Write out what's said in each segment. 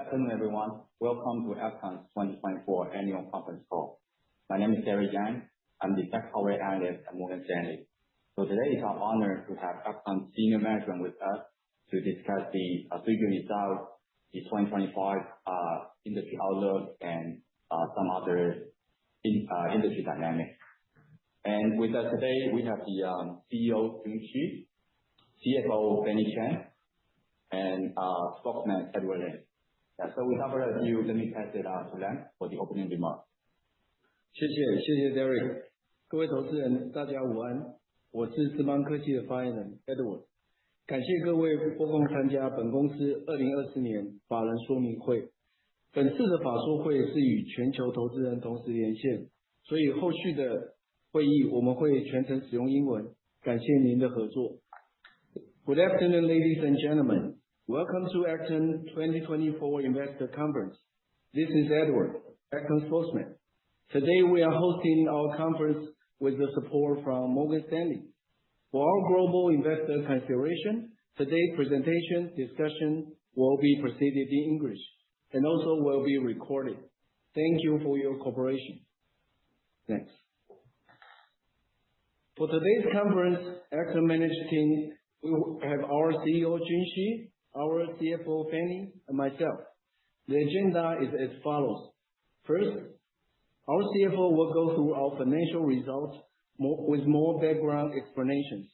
Good afternoon, everyone. Welcome to Accton's 2024 Annual Conference Call. My name is Gary Zhang. I'm the techco analyst at Morgan Stanley. Today, it's our honor to have Accton senior management with us to discuss the figures out, the 2025 industry outlook and some other industry dynamics. With us today, we have the CEO, Jun Shi, CFO, Fanny Chen, and spokesman, Edward Lin. Without further ado, let me pass it to Lin for the opening remarks. Derek. Edward. Good afternoon, ladies and gentlemen. Welcome to Accton 2024 Investor Conference. This is Edward, Accton spokesman. Today, we are hosting our conference with the support from Morgan Stanley. For all global investor consideration, today's presentation discussion will be proceeded in English and also will be recorded. Thank you for your cooperation. Next. For today's conference, Accton management team, we have our CEO, Jun Shi, our CFO, Fanny, and myself. The agenda is as follows. First, our CFO will go through our financial results with more background explanations.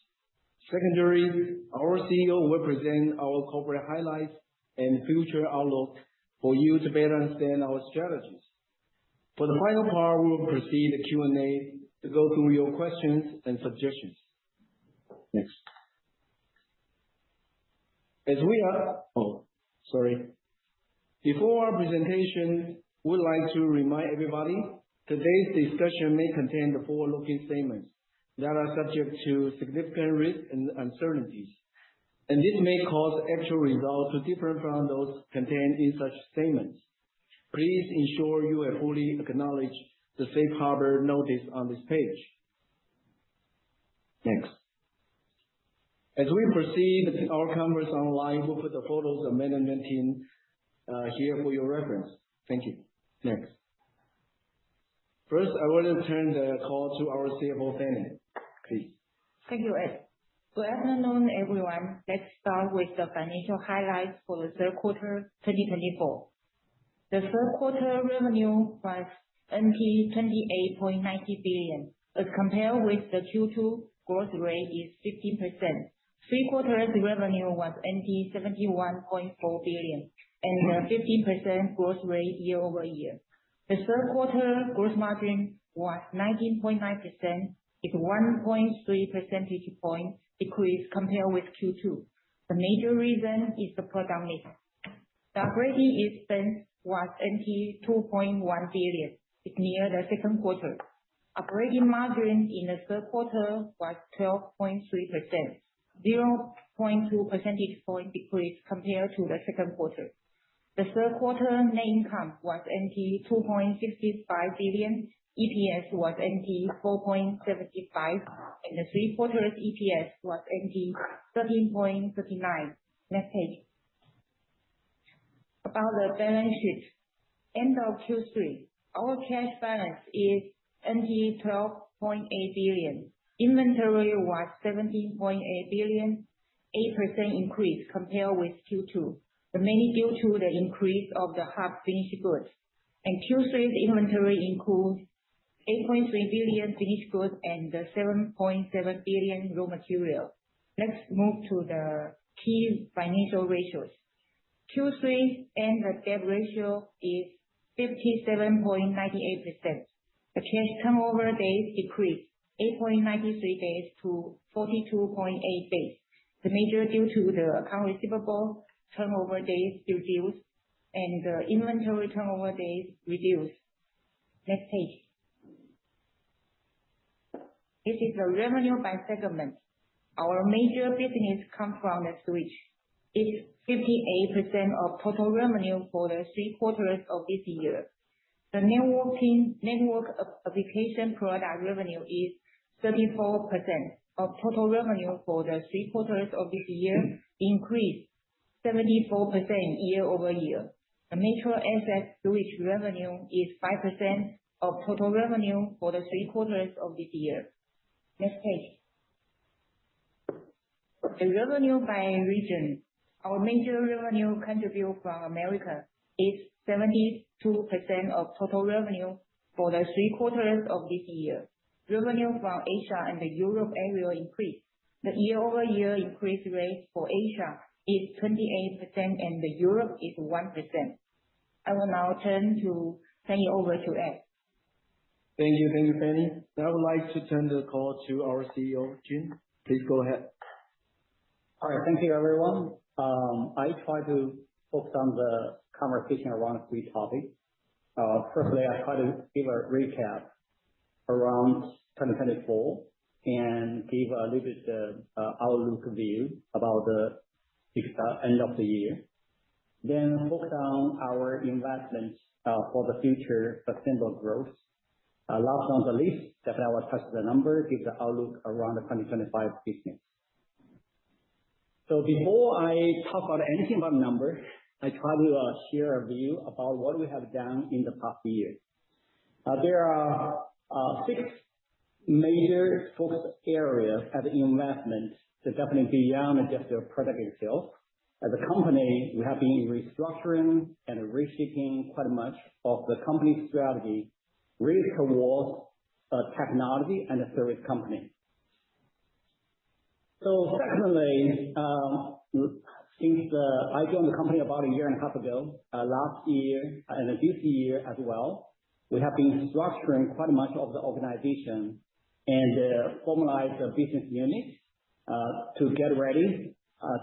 Secondary, our CEO will present our corporate highlights and future outlooks for you to better understand our strategies. For the final part, we will proceed a Q&A to go through your questions and suggestions. Next. As we are Before our presentation, we'd like to remind everybody, today's discussion may contain the forward-looking statements that are subject to significant risks and uncertainties, and this may cause actual results to differ from those contained in such statements. Please ensure you have fully acknowledged the safe harbor notice on this page. Next. As we proceed our conference online, we'll put the photos of management team here for your reference. Thank you. Next. First, I want to turn the call to our CFO, Fanny. Please. Thank you, Ed. Good afternoon, everyone. Let's start with the financial highlights for the third quarter 2024. The third quarter revenue was NTD 28.9 billion as compared with the Q2 growth rate is 15%. Three quarters revenue was NTD 71.4 billion and a 15% growth rate year-over-year. The third quarter gross margin was 19.9%, a 1.3 percentage point decrease compared with Q2. The major reason is the product mix. The operating expense was NTD 2.1 billion. It's near the second quarter. Operating margin in the third quarter was 12.3%, 0.2 percentage point decrease compared to the second quarter. The third quarter net income was NTD 2.65 billion, EPS was NTD 4.75, and the three quarters EPS was NTD 13.39. Next page. About the balance sheet. End of Q3, our cash balance is NTD 12.8 billion. Inventory was NTD 17.8 billion, 8% increase compared with Q2. Mainly due to the increase of the half-finished goods. In Q3, the inventory includes 8.3 billion finished goods and the 7.7 billion raw material. Let's move to the key financial ratios. Q3 end of debt ratio is 57.98%. The cash turnover days decreased, 8.93 days to 42.8 days. The major due to the account receivable turnover days reduced, and the inventory turnover days reduced. Next page. This is the revenue by segment. Our major business come from the switch. It's 58% of total revenue for the three quarters of this year. The networking network application product revenue is 34% of total revenue for the three quarters of this year, increased 74% year-over-year. The metro access switch revenue is 5% of total revenue for the three quarters of this year. Next page. The revenue by region. Our major revenue contribute from America. It's 72% of total revenue for the three quarters of this year. Revenue from Asia and the Europe area increased. The year-over-year increase rate for Asia is 28% and the Europe is 1%. I will now turn to hand over to Ed. Thank you, Fanny. Now I would like to turn the call to our CEO, Jun. Please go ahead. All right. Thank you, everyone. I try to focus on the conversation around three topics. Firstly, I try to give a recap around 2024 and give a little bit of outlook view about the end of the year, then focus on our investments for the future sustainable growth. Last on the list that I will touch the number is the outlook around the 2025 business. Before I talk about anything about numbers, I try to share a view about what we have done in the past year. There are six major focus areas as investment. Definitely beyond just the product itself. As a company, we have been restructuring and reshaping quite much of the company strategy really towards a technology and a service company. Secondly, since I joined the company about a year and a half ago, last year and this year as well, we have been restructuring quite much of the organization and formalize the business unit, to get ready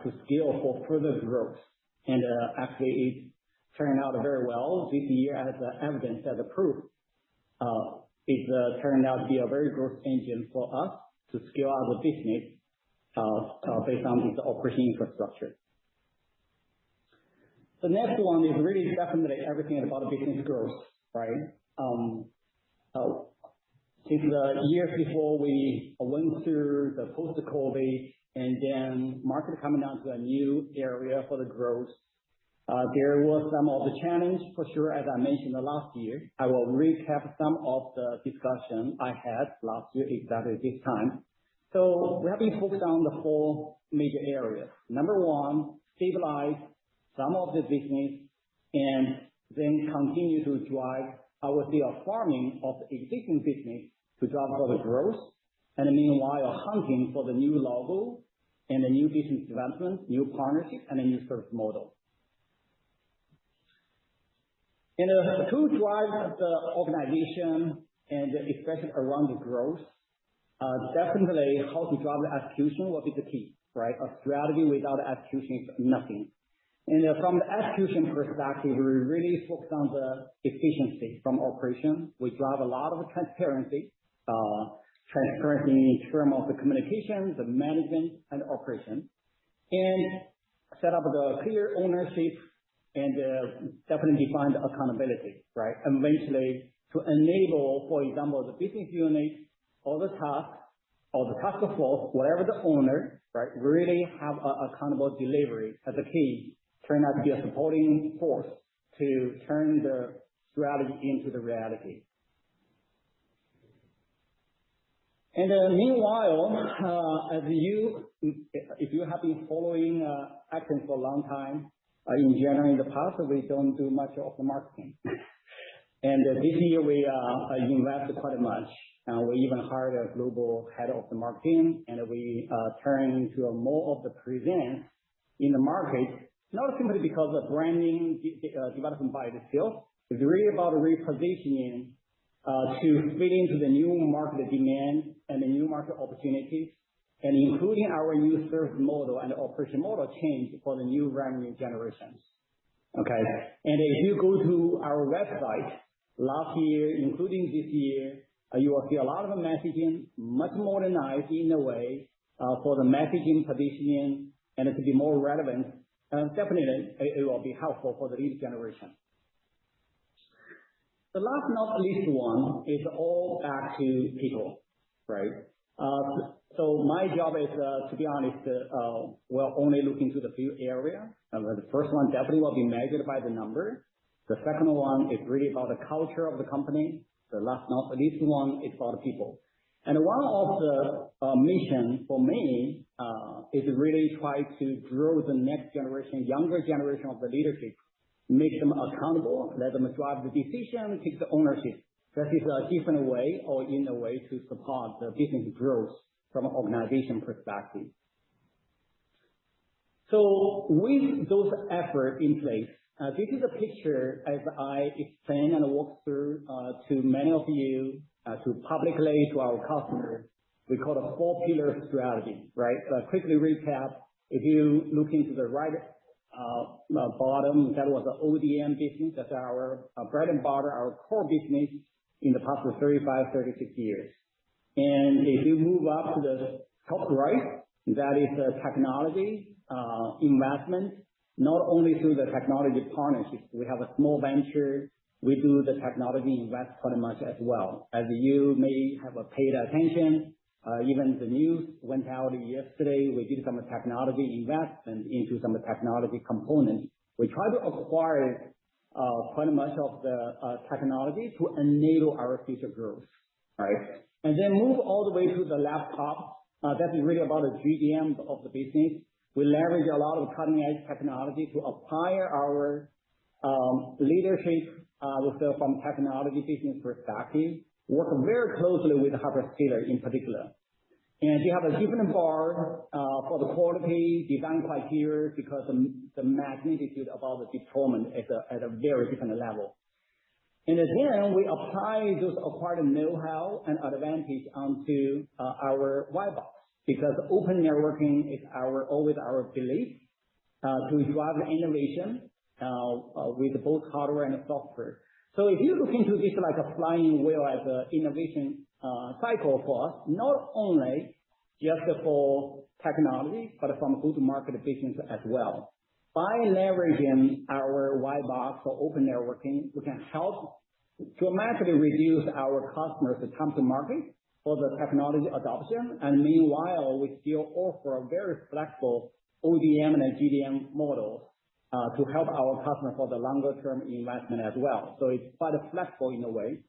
to scale for further growth. Actually, it turned out very well this year as evidence as a proof. It turned out to be a very growth engine for us to scale out the business based on its operating infrastructure. The next one is really definitely everything about the business growth, right. Since the year before we went through the post-COVID and market coming down to a new area for the growth, there was some of the challenge for sure, as I mentioned last year. I will recap some of the discussion I had last year exactly this time. We have been focused on the four major areas. Number 1, stabilize some of the business and continue to drive our way of farming of the existing business to drive further growth and meanwhile hunting for the new logo and the new business development, new partnership and a new service model. To drive the organization and especially around the growth, definitely how to drive the execution will be the key, right. A strategy without execution is nothing. From the execution perspective, we really focus on the efficiency from operation. We drive a lot of transparency. Transparency in terms of the communication, the management and operation, and set up the clear ownership and definitely define the accountability, right. Eventually to enable, for example, the business unit or the task or the task force, whatever the owner, right, really have accountable delivery as a key, turned out to be a supporting force to turn the strategy into the reality. Meanwhile, if you have been following Accton for a long time, in general in the past we don't do much of the marketing. This year we invest quite much, we even hired a global head of the marketing, and we turn to a more of the present in the market, not simply because of branding development by itself. It's really about repositioning to fit into the new market demand and the new market opportunities and including our new service model and operation model change for the new revenue generations. Okay. If you go to our website last year, including this year, you will see a lot of messaging, much more than I, in a way, for the messaging positioning and to be more relevant. Definitely, it will be helpful for the lead generation. The last not least one is all back to people, right. My job is, to be honest, we're only looking to the few areas. The first one definitely will be measured by the number. The second one is really about the culture of the company. The last not least one is for the people. One of the missions for me, is really try to grow the next generation, younger generation of the leadership, make them accountable, let them drive the decision, take the ownership. That is a different way or in a way to support the business growth from an organization perspective. With those efforts in place, this is a picture as I explain and walk through to many of you, to publicly to our customers, we call a four-pillar strategy, right? Quickly recap. If you look into the right bottom, that was the ODM business. That is our bread and butter, our core business in the past 35, 36 years. If you move up to the top right, that is the technology investment, not only through the technology partnerships. We have a small venture. We do the technology invest pretty much as well. As you may have paid attention, even the news went out yesterday. We did some technology investment into some technology components. We try to acquire pretty much of the technology to enable our future growth, right? Move all the way to the laptop. That is really about the OGM of the business. We leverage a lot of cutting-edge technology to acquire our leadership from technology business perspective. Work very closely with the hardware scaler in particular. We have a different bar for the quality design criteria because the magnitude about the performance is at a very different level. At the end, we apply those acquired know-how and advantage onto our LabBox, because open networking is always our belief, to drive innovation with both hardware and software. If you look into this like a flying wheel as an innovation cycle for us, not only just for technology, but from go-to-market business as well. By leveraging our white box for open networking, we can help dramatically reduce our customers' time to market for the technology adoption. Meanwhile, we still offer a very flexible ODM and OGM model, to help our customers for the longer term investment as well. It is quite flexible in a way.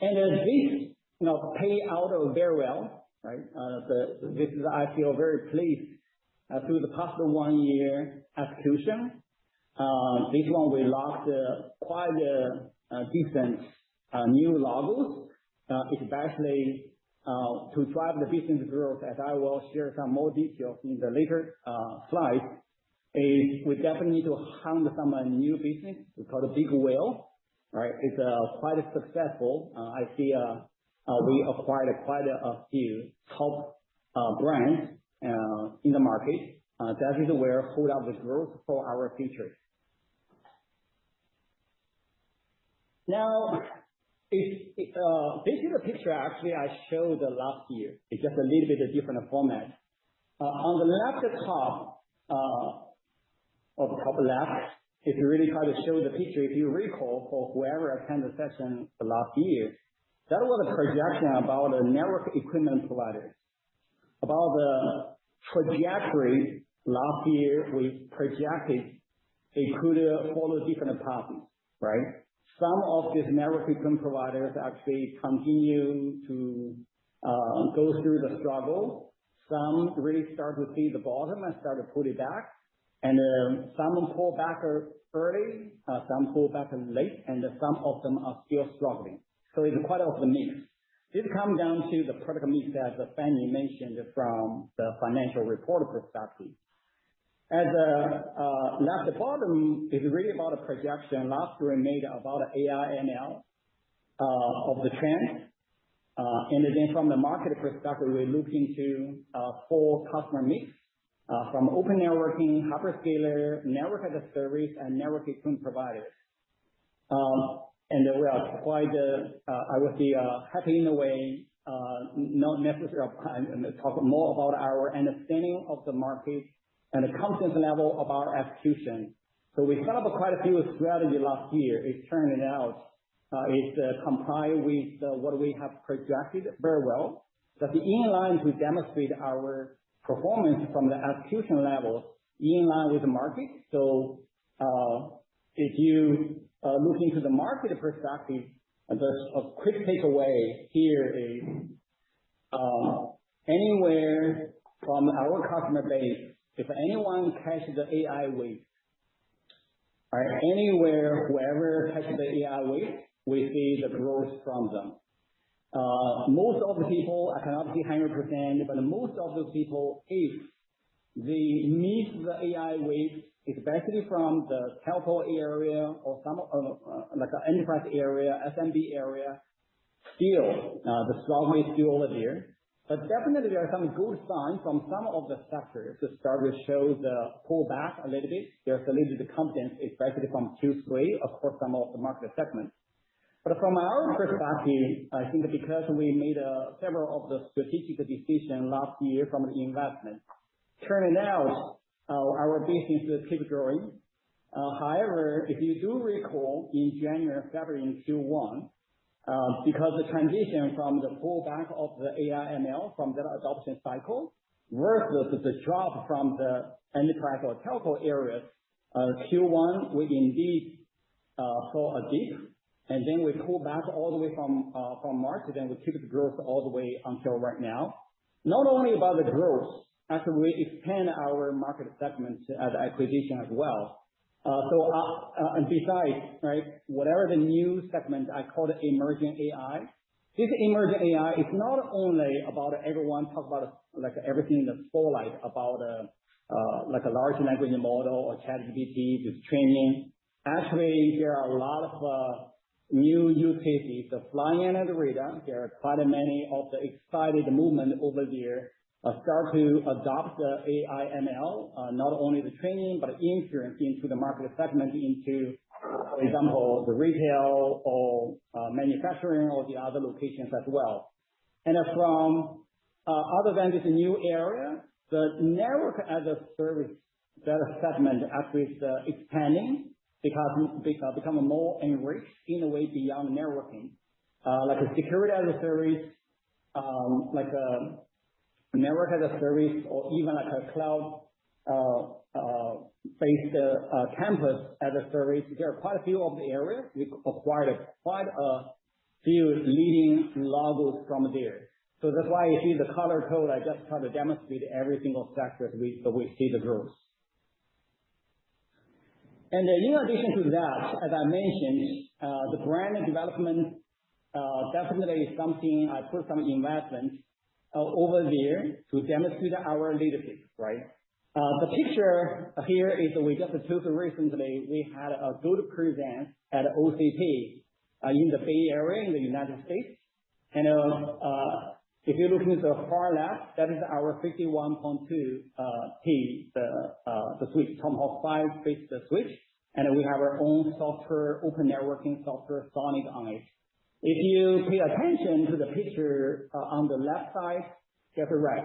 This paid out very well. This is I feel very pleased through the past one year execution. This one we landed quite a decent new logos, especially, to drive the business growth as I will share some more details in the later slides. We definitely need to hunt some new business. We call it big whale. It is quite successful. I see we acquired quite a few top brands in the market. That is where we hold up the growth for our future. This is a picture actually I showed last year. It is just a little bit different format. On the left top of the top left, is really trying to show the picture, if you recall, for whoever attended session last year, that was a projection about a network equipment provider. About the trajectory last year, we projected it could follow different patterns, right? Some of these network equipment providers actually continue to go through the struggle. Some really start to see the bottom and start to pull it back. Some pull back early, some pull back late, and some of them are still struggling. It is quite of a mix. This comes down to the product mix that Fanny mentioned from the financial report perspective. At the bottom is really about a projection last year we made about AI/ML of the trends. From the market perspective, we are looking to four customer mix, from open networking, hyperscaler, network as a service, and network equipment providers. We are quite, I would say, happy in a way, not necessary of time, talk more about our understanding of the market and the confidence level of our execution. We set up quite a few strategy last year. It turned out it comply with what we have projected very well. The inline we demonstrate our performance from the execution level inline with the market. If you look into the market perspective, a quick takeaway here is, anywhere from our customer base, if anyone catches the AI wave, anywhere, whoever catches the AI wave, we see the growth from them. Most of the people, I cannot say 100%, but most of the people, if they miss the AI wave, especially from the telco area or like the enterprise area, SMB area, still, the slope is still over there. Definitely there are some good signs from some of the sectors to start to show the pull back a little bit. There's a little bit of confidence, especially from Q3 across some of the market segments. From our perspective, I think because we made several of the strategic decision last year from the investment, turning out our business keep growing. However, if you do recall, in January, February in Q1, because the transition from the pullback of the AI/ML from the adoption cycle versus the drop from the enterprise or telco areas, Q1, we indeed saw a dip, we pull back all the way from market, and we keep the growth all the way until right now. Not only about the growth, as we expand our market segments as acquisition as well. Whatever the new segment, I call it emerging AI. This emerging AI is not only about everyone talk about everything in the spotlight about like a large language model or ChatGPT, this training. There are a lot of new use cases. The flying algorithm, there are quite many of the excited movement over there, start to adopt the AI/ML, not only the training, but inference into the market segment into, for example, the retail or manufacturing or the other locations as well. From other than this new area, the network as a service, that segment is expanding because become a more enriched in a way beyond networking. Like a security as a service, like a network as a service or even like a cloud-based campus as a service. There are quite a few of the areas. We acquired quite a few leading logos from there. That's why you see the color code. I just try to demonstrate every single sector that we see the growth. In addition to that, as I mentioned, the brand development definitely is something I put some investment over there to demonstrate our leadership, right? The picture here is we just took recently. We had a good presence at OCP, in the Bay Area in the U.S. If you look at the far left, that is our 51.2T, the switch, Tomahawk five base switch. We have our own software, open networking software, SONiC on it If you pay attention to the picture on the left side, there's a rack.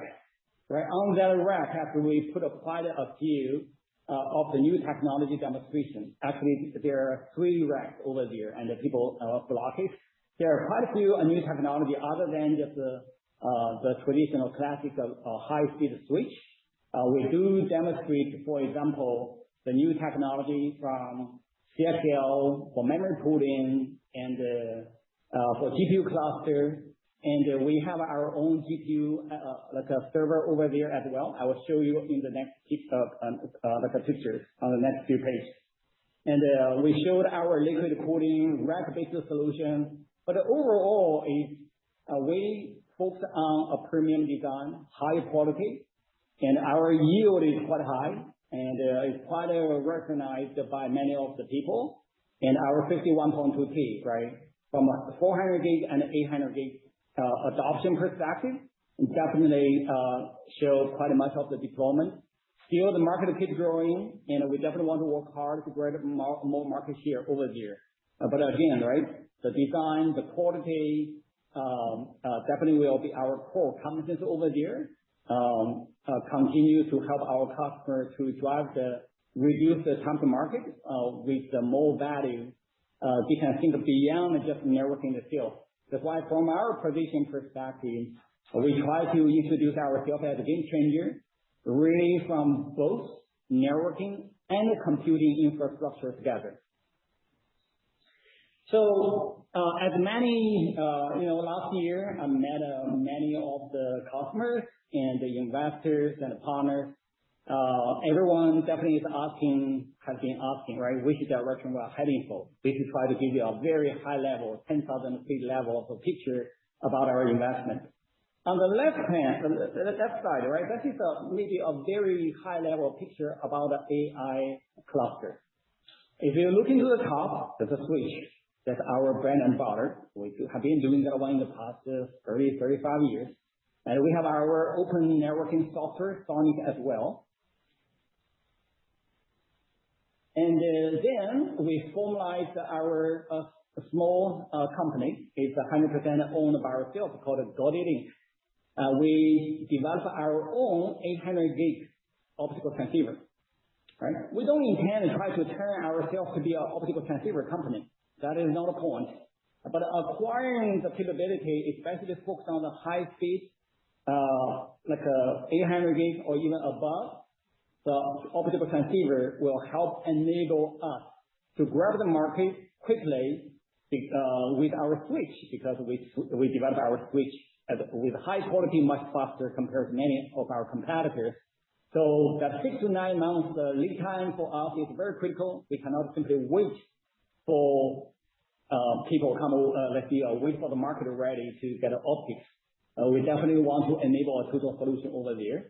On that rack, we put quite a few of the new technology demonstrations. There are three racks over there, and the people block it. There are quite a few new technology other than just the traditional classic high-speed switch. We do demonstrate, for example, the new technology from CXL for memory pooling and for GPU cluster, and we have our own GPU server over there as well. I will show you in the next picture on the next few pages. We showed our liquid cooling rack-based solution. Overall, we focus on premium design, high quality, and our yield is quite high, and it's quite recognized by many of the people. Our 51.2T, from 400G and 800G adoption perspective, it definitely shows quite much of the deployment. Still, the market keeps growing, and we definitely want to work hard to grab more market share over there. Again, the design, the quality, definitely will be our core competence over there. Continue to help our customers to drive the, reduce the time to market with more value. We can think beyond just networking still. That's why, from our position perspective, we try to introduce ourselves as a game changer, really from both networking and computing infrastructure together. Last year, I met many of the customers and the investors and partners. Everyone definitely has been asking, which direction we are heading for. We could try to give you a very high level, 10,000 feet level of picture about our investment. On the left side, that is maybe a very high-level picture about the AI cluster. If you look into the top, there's a switch. That's our bread and butter. We have been doing that one in the past 30, 35 years. We have our open networking software, SONiC, as well. We formalize our small company. It's 100% owned by ourselves, called Goldilink. We develop our own 800G optical transceiver. We don't intend to try to turn ourselves to be an optical transceiver company. That is not the point. Acquiring the capability, especially focused on the high speed, like 800G or even above, the optical transceiver will help enable us to grab the market quickly with our switch, because we develop our switch with high quality much faster compared to many of our competitors. That six to nine months lead time for us is very critical. We cannot simply wait for people come, let's say, wait for the market ready to get optics. We definitely want to enable a total solution over there.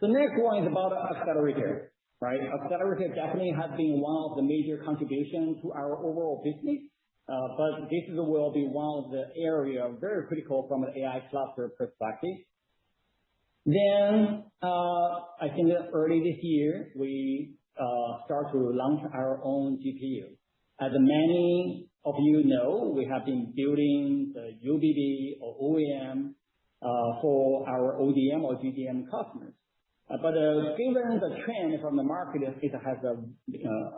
The next one is about accelerator. Accelerator definitely has been one of the major contributions to our overall business. This will be one of the areas very critical from an AI cluster perspective. I think early this year, we start to launch our own GPU. As many of you know, we have been building the UDD or OEM for our ODM or GDM customers. Given the trend from the market, it has a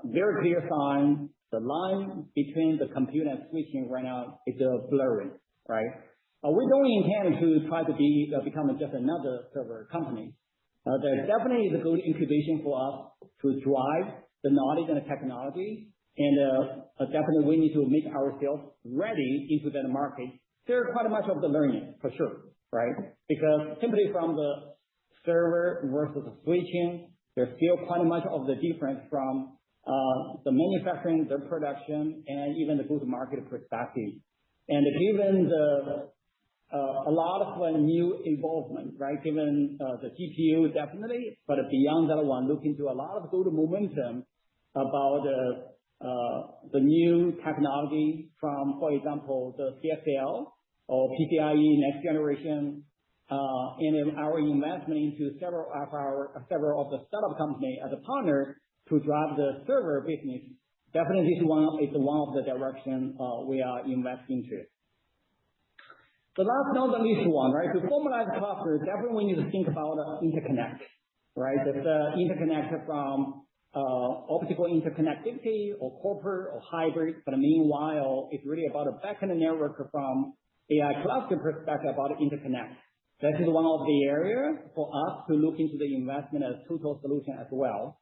very clear sign. The line between the compute and switching right now is blurring. We don't intend to try to become just another server company. There definitely is a good incubation for us to drive the knowledge and the technology. Definitely we need to make ourselves ready into that market. There is quite much of the learning, for sure. Because simply from the server versus the switching, there's still quite much of the difference from the manufacturing, the production, and even the go-to-market perspective. Given a lot of new involvement. Given the GPU, definitely. Beyond that one, look into a lot of good momentum about the new technology from, for example, the CXL or PCIe next generation, and our investment into several of the startup company as a partner to drive the server business. Definitely, it's one of the directions we are investing to. The last but not the least one. To formalize the cluster, definitely we need to think about interconnect. The interconnect from optical interconnect density or copper or hybrid. Meanwhile, it's really about a back-end network from AI cluster perspective about interconnect. That is one of the areas for us to look into the investment as total solution as well.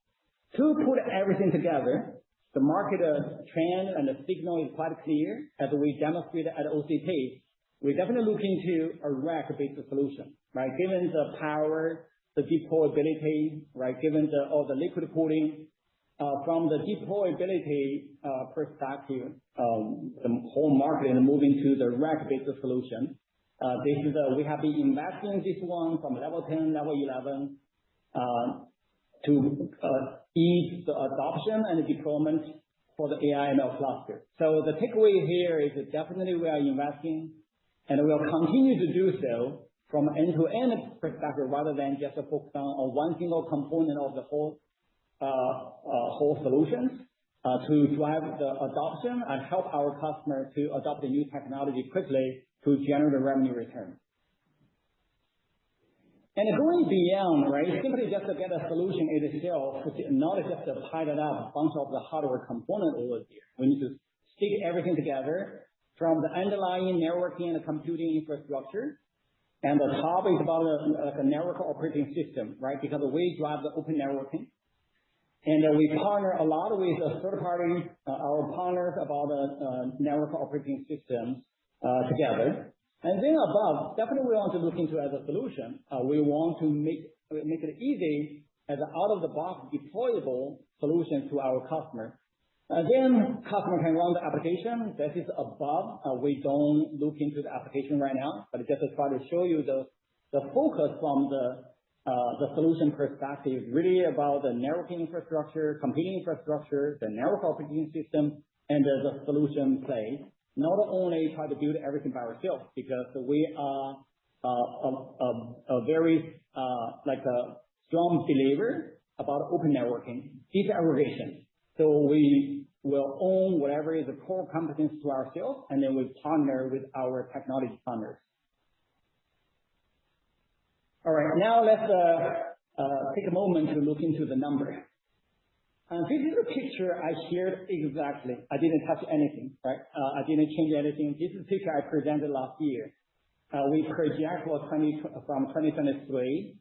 To put everything together, the market trend and the signal is quite clear. As we demonstrated at OCP, we're definitely looking to a rack-based solution. Given the power, the deployability, given all the liquid cooling. From the deployability perspective, the whole market is moving to the rack-based solution. We have been investing in this one from Level 10, Level 11, to aid the adoption and deployment for the AI and ML cluster. The takeaway here is that definitely we are investing, and we'll continue to do so from end-to-end perspective rather than just focus on one single component of the whole solutions to drive the adoption and help our customer to adopt the new technology quickly to generate the revenue return. Going beyond, right? Simply just to get a solution as a sale, not just to tie that up bunch of the hardware component over there. We need to stick everything together from the underlying networking and computing infrastructure. The top is about the network operating system, right? Because we drive the open networking, we partner a lot with the third party. Our partners about network operating system together. Above, definitely we want to look into as a solution. We want to make it easy as an out-of-the-box deployable solution to our customer. Again, customer can run the application that is above. We don't look into the application right now, but just to try to show you the focus from the solution perspective, really about the networking infrastructure, computing infrastructure, the network operating system, and the solution play. Not only try to build everything by ourselves, because we are a very strong believer about open networking disaggregation. We will own whatever is a core competence to ourselves, and then we partner with our technology partners. All right. Now let's take a moment to look into the number. This is a picture I shared exactly. I didn't touch anything, right? I didn't change anything. This is a picture I presented last year. We project from 2023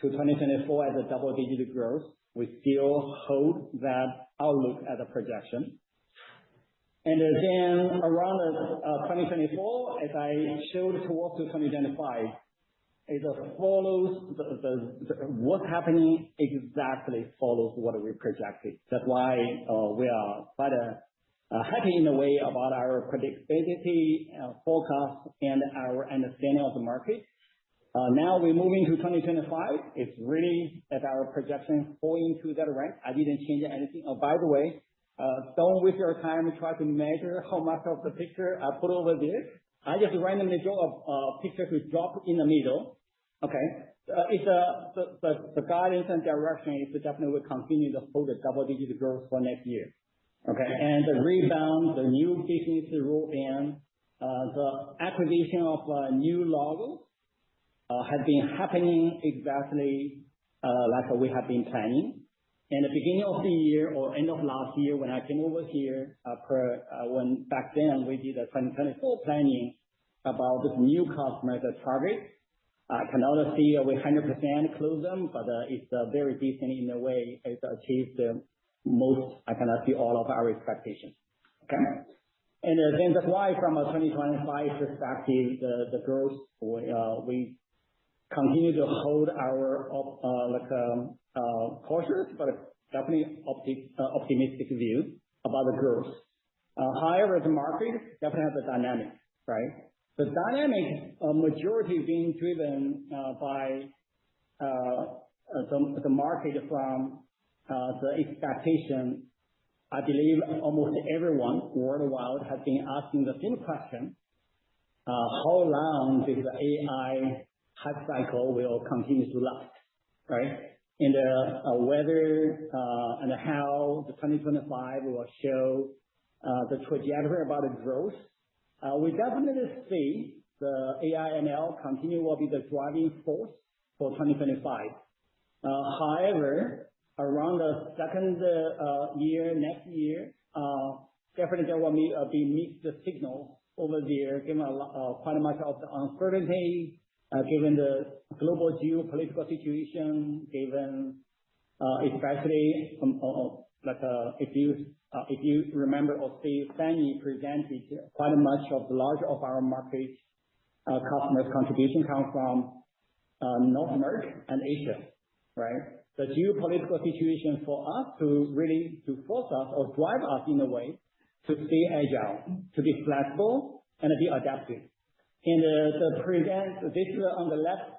to 2024 as a double digit growth. We still hold that outlook as a projection. Again, around 2024, as I showed towards to 2025, what's happening exactly follows what we projected. That's why we are quite happy in a way about our predictability, our forecast, and our understanding of the market. Now we're moving to 2025. It's really at our projection falling into that rank. I didn't change anything. Oh, by the way, don't waste your time trying to measure how much of the picture I put over there. I just randomly draw a picture to drop in the middle. Okay? The guidance and direction is definitely we continue to hold the double digit growth for next year. Okay? The rebound, the new business rolling in, the acquisition of new logo, have been happening exactly like we have been planning. In the beginning of the year or end of last year when I came over here, back then we did the 2024 planning about this new customer, the target. I cannot say we 100% close them, but it's very decent in a way. It achieved the most. I cannot say all of our expectations. Okay. Again, that's why from a 2025 perspective, the growth, we continue to hold our cautious but definitely optimistic view about the growth. However, the market definitely has a dynamic, right? The dynamic majority is being driven by the market from the expectation. I believe almost everyone worldwide has been asking the same question, how long this AI hype cycle will continue to last, right? Whether and how the 2025 will show the trajectory about the growth. We definitely see the AI/ML continue will be the driving force for 2025. However, around the second year, next year, definitely there will be mixed signal over there, given quite much of the uncertainty, given the global geopolitical situation, given especially if you remember or Steve presented quite much of large of our market customers' contribution comes from North America and Asia, right? The geopolitical situation for us to really force us or drive us in a way to stay agile, to be flexible and be adaptive. To present this on the left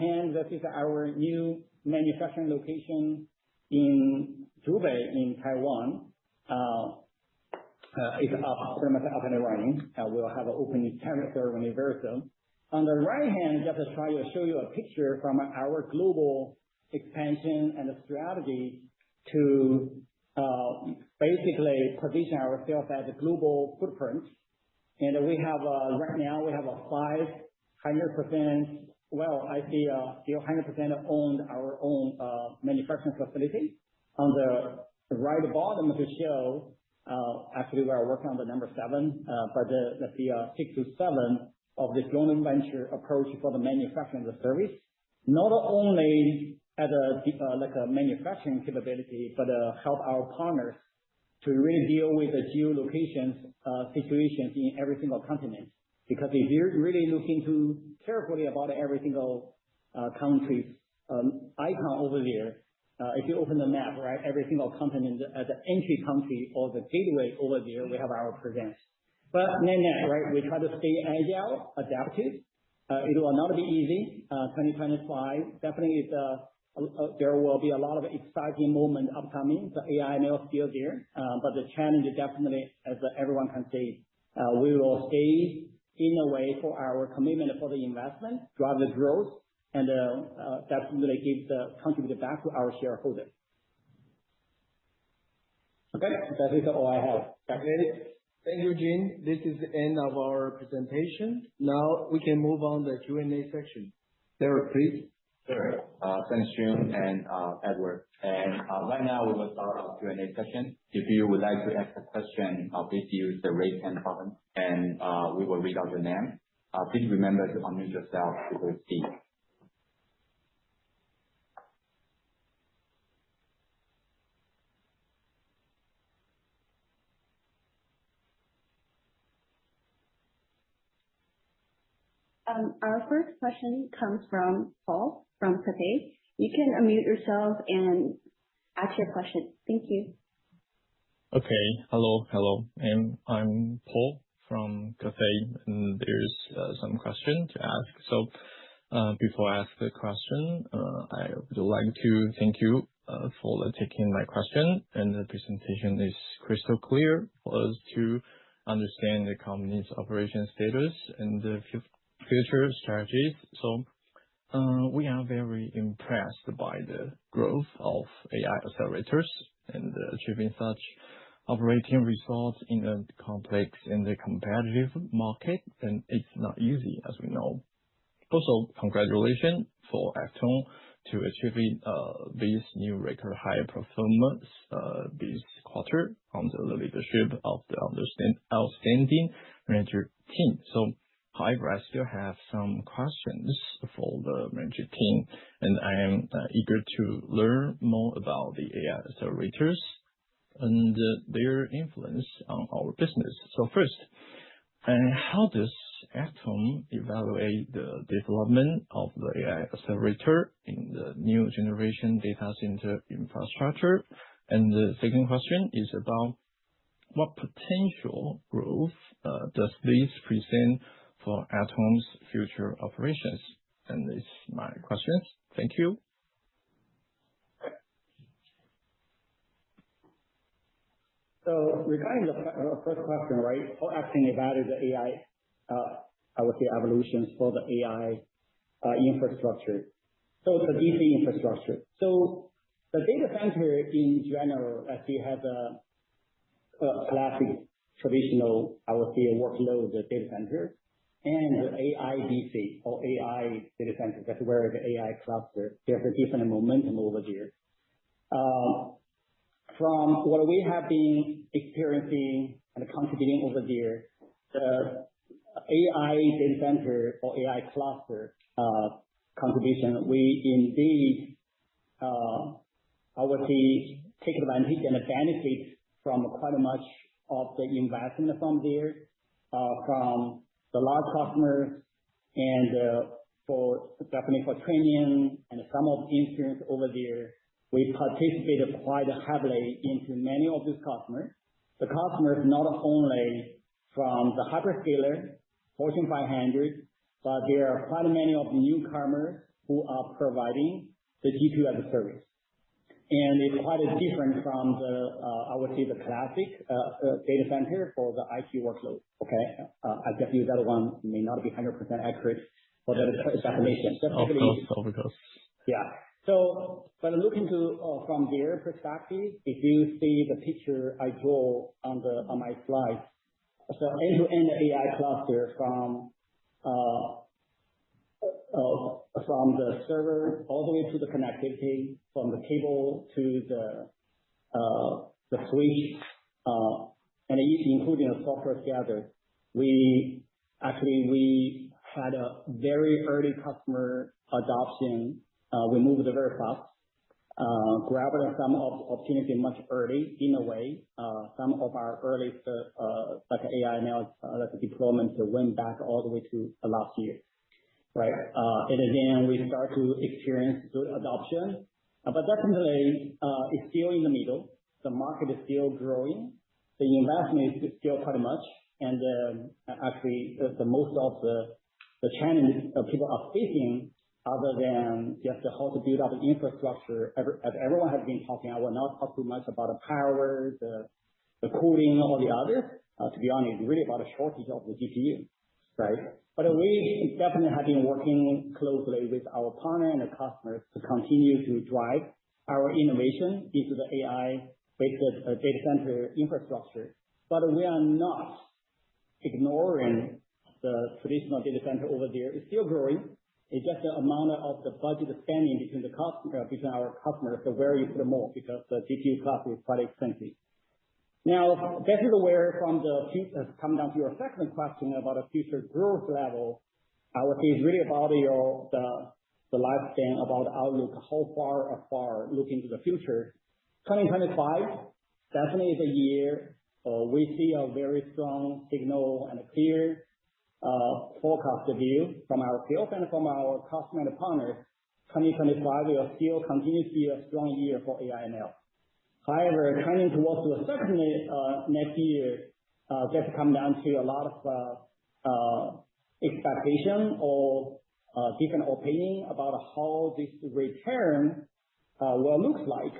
hand, this is our new manufacturing location in Zhubei, in Taiwan. After it's up and running, we'll have an opening ceremony there. On the right hand, just to try to show you a picture from our global expansion and the strategy to basically position ourselves as a global footprint. Right now we have a five 100%. Well, I see 100% owned our own manufacturing facility. On the right bottom to show, actually we are working on the number 7. But let's say 6 to 7 of this joint venture approach for the manufacturing service, not only at a manufacturing capability, but help our partners to really deal with the geo-locations situations in every single continent. Because if you're really looking too carefully about every single country icon over there, if you open the map, right, every single continent as an entry country or the gateway over there, we have our presence. Net-net, right? We try to stay agile, adaptive. It will not be easy. 2025 definitely there will be a lot of exciting moment upcoming. The AI is still there, but the challenge is definitely as everyone can see. We will stay in a way for our commitment for the investment, drive the growth, and definitely contribute back to our shareholders. Okay. That is all I have. Thank you, Jin. This is the end of our presentation. Now we can move on the Q&A section. Sarah, please. Sure. Thanks, Jun and Edward. Right now, we will start our Q&A session. If you would like to ask a question, please use the raise hand function, we will read out your name. Please remember to unmute yourself before speaking. Our first question comes from Paul from JPMorgan. You can unmute yourself and ask your question. Thank you. Okay. Hello. I'm Paul from JPMorgan, there's some questions to ask. Before I ask the question, I would like to thank you for taking my question. The presentation is crystal clear for us to understand the company's operation status and the future strategies. We are very impressed by the growth of AI accelerators and achieving such operating results in a complex and competitive market, it's not easy as we know. Also, congratulations for Accton to achieving this new record high performance this quarter under the leadership of the outstanding management team. I still have some questions for the management team, I am eager to learn more about the AI accelerators and their influence on our business. First, how does Accton evaluate the development of the AI accelerator in the new generation data center infrastructure? The second question is about what potential growth does this present for Accton's future operations? That's my questions. Thank you. Regarding the first question. Paul asking about is the AI, I would say, evolutions for the AI infrastructure. The DC infrastructure. The data center in general, actually has a classic, traditional, I would say, a workload data center and the AI DC or AI data center. That's where the AI cluster, there's a different momentum over there. From what we have been experiencing and contributing over there, the AI data center or AI cluster contribution, we indeed, I would say, take advantage and benefit from quite much of the investment from there, from the large customers and definitely for training and some of inference over there. We participated quite heavily into many of these customers. The customers not only from the hyperscaler Fortune 500, but there are quite many of the newcomers who are providing the GPU as a service. It's quite different from the, I would say, the classic data center for the IT workload. Okay? I definitely that one may not be 100% accurate for the definition. Of course. Yeah. Looking to from their perspective, if you see the picture I draw on my slide. End-to-end AI cluster from the server all the way to the connectivity from the cable to the switch, and even including the software together. Actually, we had a very early customer adoption. We moved very fast, grabbing some opportunity much early in a way. Some of our earliest, like AI/ML, like deployment went back all the way to last year. Right. Again, we start to experience good adoption, but definitely, it's still in the middle. The market is still growing. The investment is still quite much. Actually, the most of the challenges people are facing other than just how to build up the infrastructure. As everyone has been talking, I will not talk too much about the power, the cooling, all the other. To be honest, really about a shortage of the GPU, right. We definitely have been working closely with our partner and the customers to continue to drive our innovation into the AI-based data center infrastructure. We are not ignoring the traditional data center over there. It's still growing. It's just the amount of the budget spending between our customers are very small because the GPU cost is quite expensive. That is where from the piece has come down to your second question about a future growth level. I would say it's really about the lifespan, about the outlook, how far look into the future. 2025 definitely is a year we see a very strong signal and a clear forecast view from our field and from our customer partners. 2025 will still continue to be a strong year for AI/ML. Turning towards to certainly next year, just come down to a lot of expectation or different opinion about how this return will look like,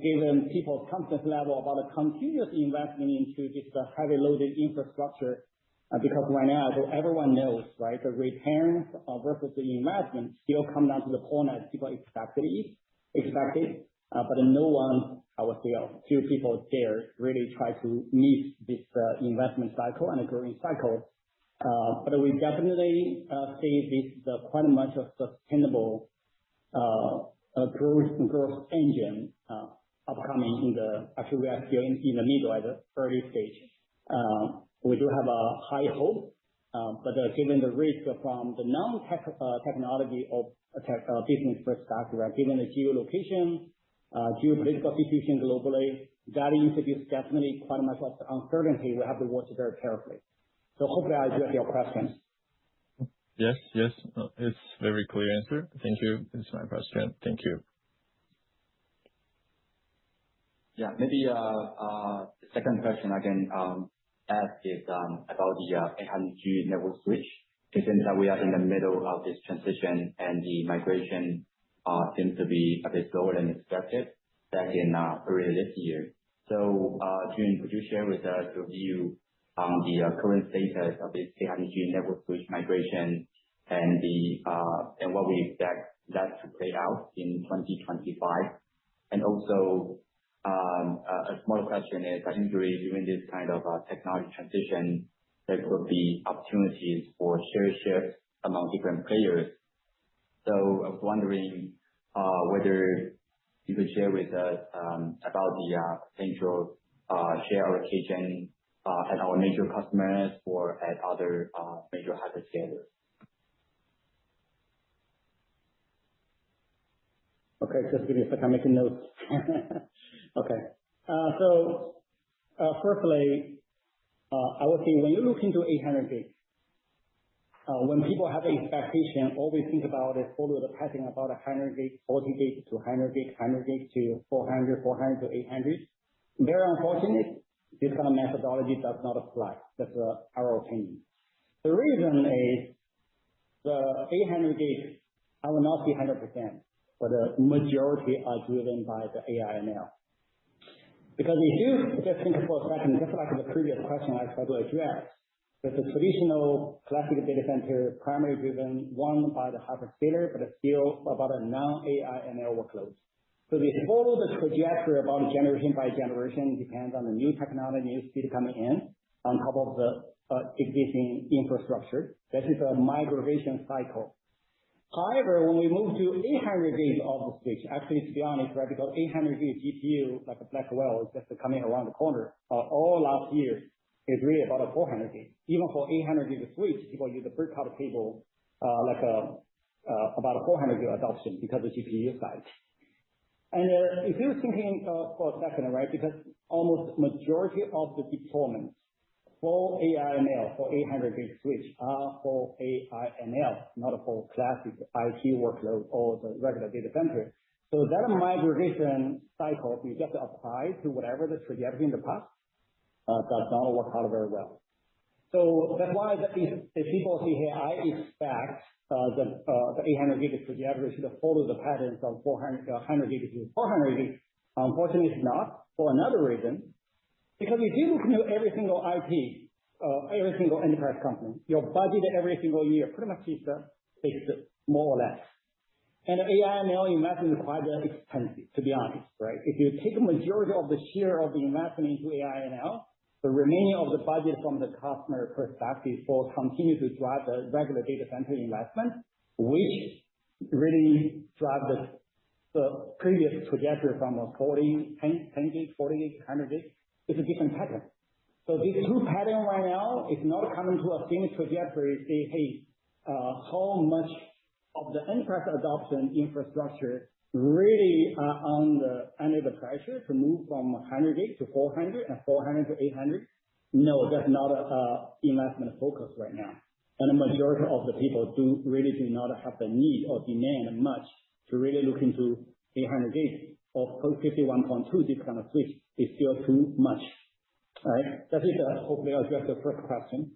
given people's comfort level about continuously investing into this heavily loaded infrastructure. Right now, everyone knows, right. The return versus the investment still come down to the point that people expect it, but no one, I would say few people dare really try to miss this investment cycle and a growing cycle. We definitely see this quite much of sustainable growth engine upcoming. Actually, we are still in the middle, at the early stage. We do have a high hope. Given the risk from the non-technology of a tech business perspective, right. Given the geolocation, geopolitical situation globally, that introduces definitely quite much of uncertainty. We have to watch it very carefully. Hopefully I addressed your question. Yes, yes. It's very clear answer. Thank you. That's my question. Thank you. Yeah. Maybe, the second question I can ask is about the 800G network switch. It seems that we are in the middle of this transition, and the migration seems to be a bit slower than expected back in early this year. Jun, could you share with us your view on the current status of this 800G network switch migration and what we expect that to play out in 2025? Also, a small question is, I think really during this kind of technology transition, there could be opportunities for share shifts among different players. I was wondering whether you could share with us, about the potential share allocation at our major customers or at other major hyperscalers. Okay. Just give me a second. Making notes. Okay. Firstly, I would say when you look into 800G, when people have the expectation, always think about it, follow the pattern about 100G, 40G to 100G to 400G to 800G. Very unfortunate, this kind of methodology does not apply. That's our opinion. The reason is the 800G, I will not say 100%, but the majority are driven by the AI/ML. Because if you just think for a second, just like the previous question I tried to address, that the traditional classic data center primary driven one by the hyperscaler, but still about a non-AI/ML workload. If you follow the trajectory about generation by generation, depends on the new technology you see coming in on top of the existing infrastructure. That is a migration cycle. However, when we move to 800G of the switch, actually to be honest, right, because 800G GPU, like a Blackwell is just coming around the corner. All last year is really about a 400G. Even for 800G switch, people use a breakout cable, like about 400G adoption because of GPU size. If you think for a second, right, because almost majority of the deployment for AI/ML for 800G switch are for AI/ML, not for classic IT workload or the regular data center. That migration cycle, if you just apply to whatever the trajectory in the past, does not work out very well. That's why if people say, "Hey, I expect the 800G trajectory to follow the patterns of 100G to 400G." Unfortunately not, for another reason. If you look into every single IP, every single enterprise company, your budget every single year pretty much is fixed, more or less. AI/ML investment is quite expensive, to be honest, right? If you take a majority of the share of the investment into AI/ML, the remaining of the budget from the customer perspective for continue to drive the regular data center investment, which really drive the previous trajectory from a 40G, 10G, 40G, 100G is a different pattern. These two pattern right now is not coming to a same trajectory say, "Hey, how much of the enterprise adoption infrastructure really are under the pressure to move from 100G to 400G and 400G to 800G?" No, that's not an investment focus right now. The majority of the people really do not have the need or demand much to really look into 800G or post 51.2T kind of switch is still too much. All right. That is hopefully address the first question.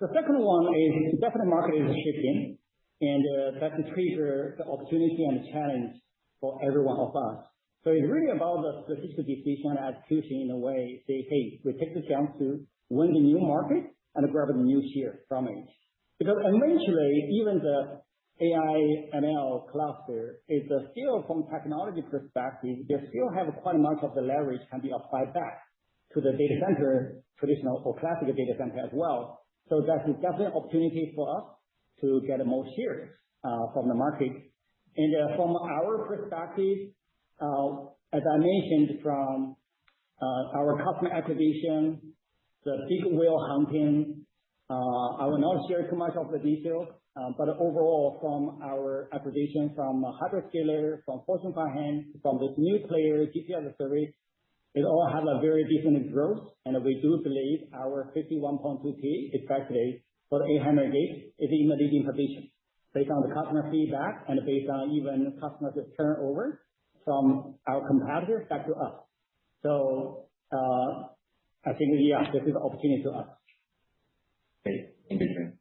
The second one is definitely market is shifting, and that creates the opportunity and challenge for every one of us. It's really about the strategic decision and execution in a way say, "Hey, we take the chance to win the new market and grab a new share from it." Eventually, even the AI/ML cluster is still from technology perspective, they still have quite much of the leverage can be applied back to the data center, traditional or classic data center as well. That is definitely opportunity for us to get more shares from the market. From our perspective, as I mentioned from our customer acquisition, the big whale hunting, I will not share too much of the detail. Overall, from our acquisition from hyperscaler, from Fortune 500, from this new player, DCI service, it all have a very different growth. We do believe our 51.2T is saturated for the 800G is in a leading position based on the customer feedback and based on even customer just turn over from our competitor back to us. I think, yeah, this is the opportunity to us. Great. Thank you.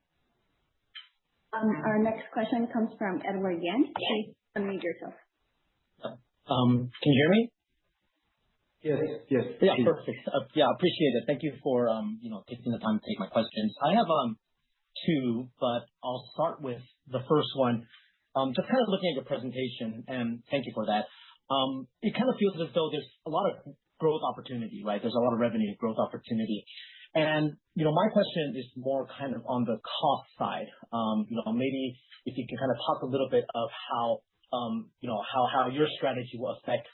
Our next question comes from Edward Yen. Please unmute yourself. Can you hear me? Yes. Yeah. Perfect. Yeah, appreciate it. Thank you for taking the time to take my questions. I have two, but I'll start with the first one. Just looking at your presentation, and thank you for that. It kind of feels as though there's a lot of growth opportunity, right? There's a lot of revenue growth opportunity. My question is more on the cost side. Maybe if you can talk a little bit of how your strategy will affect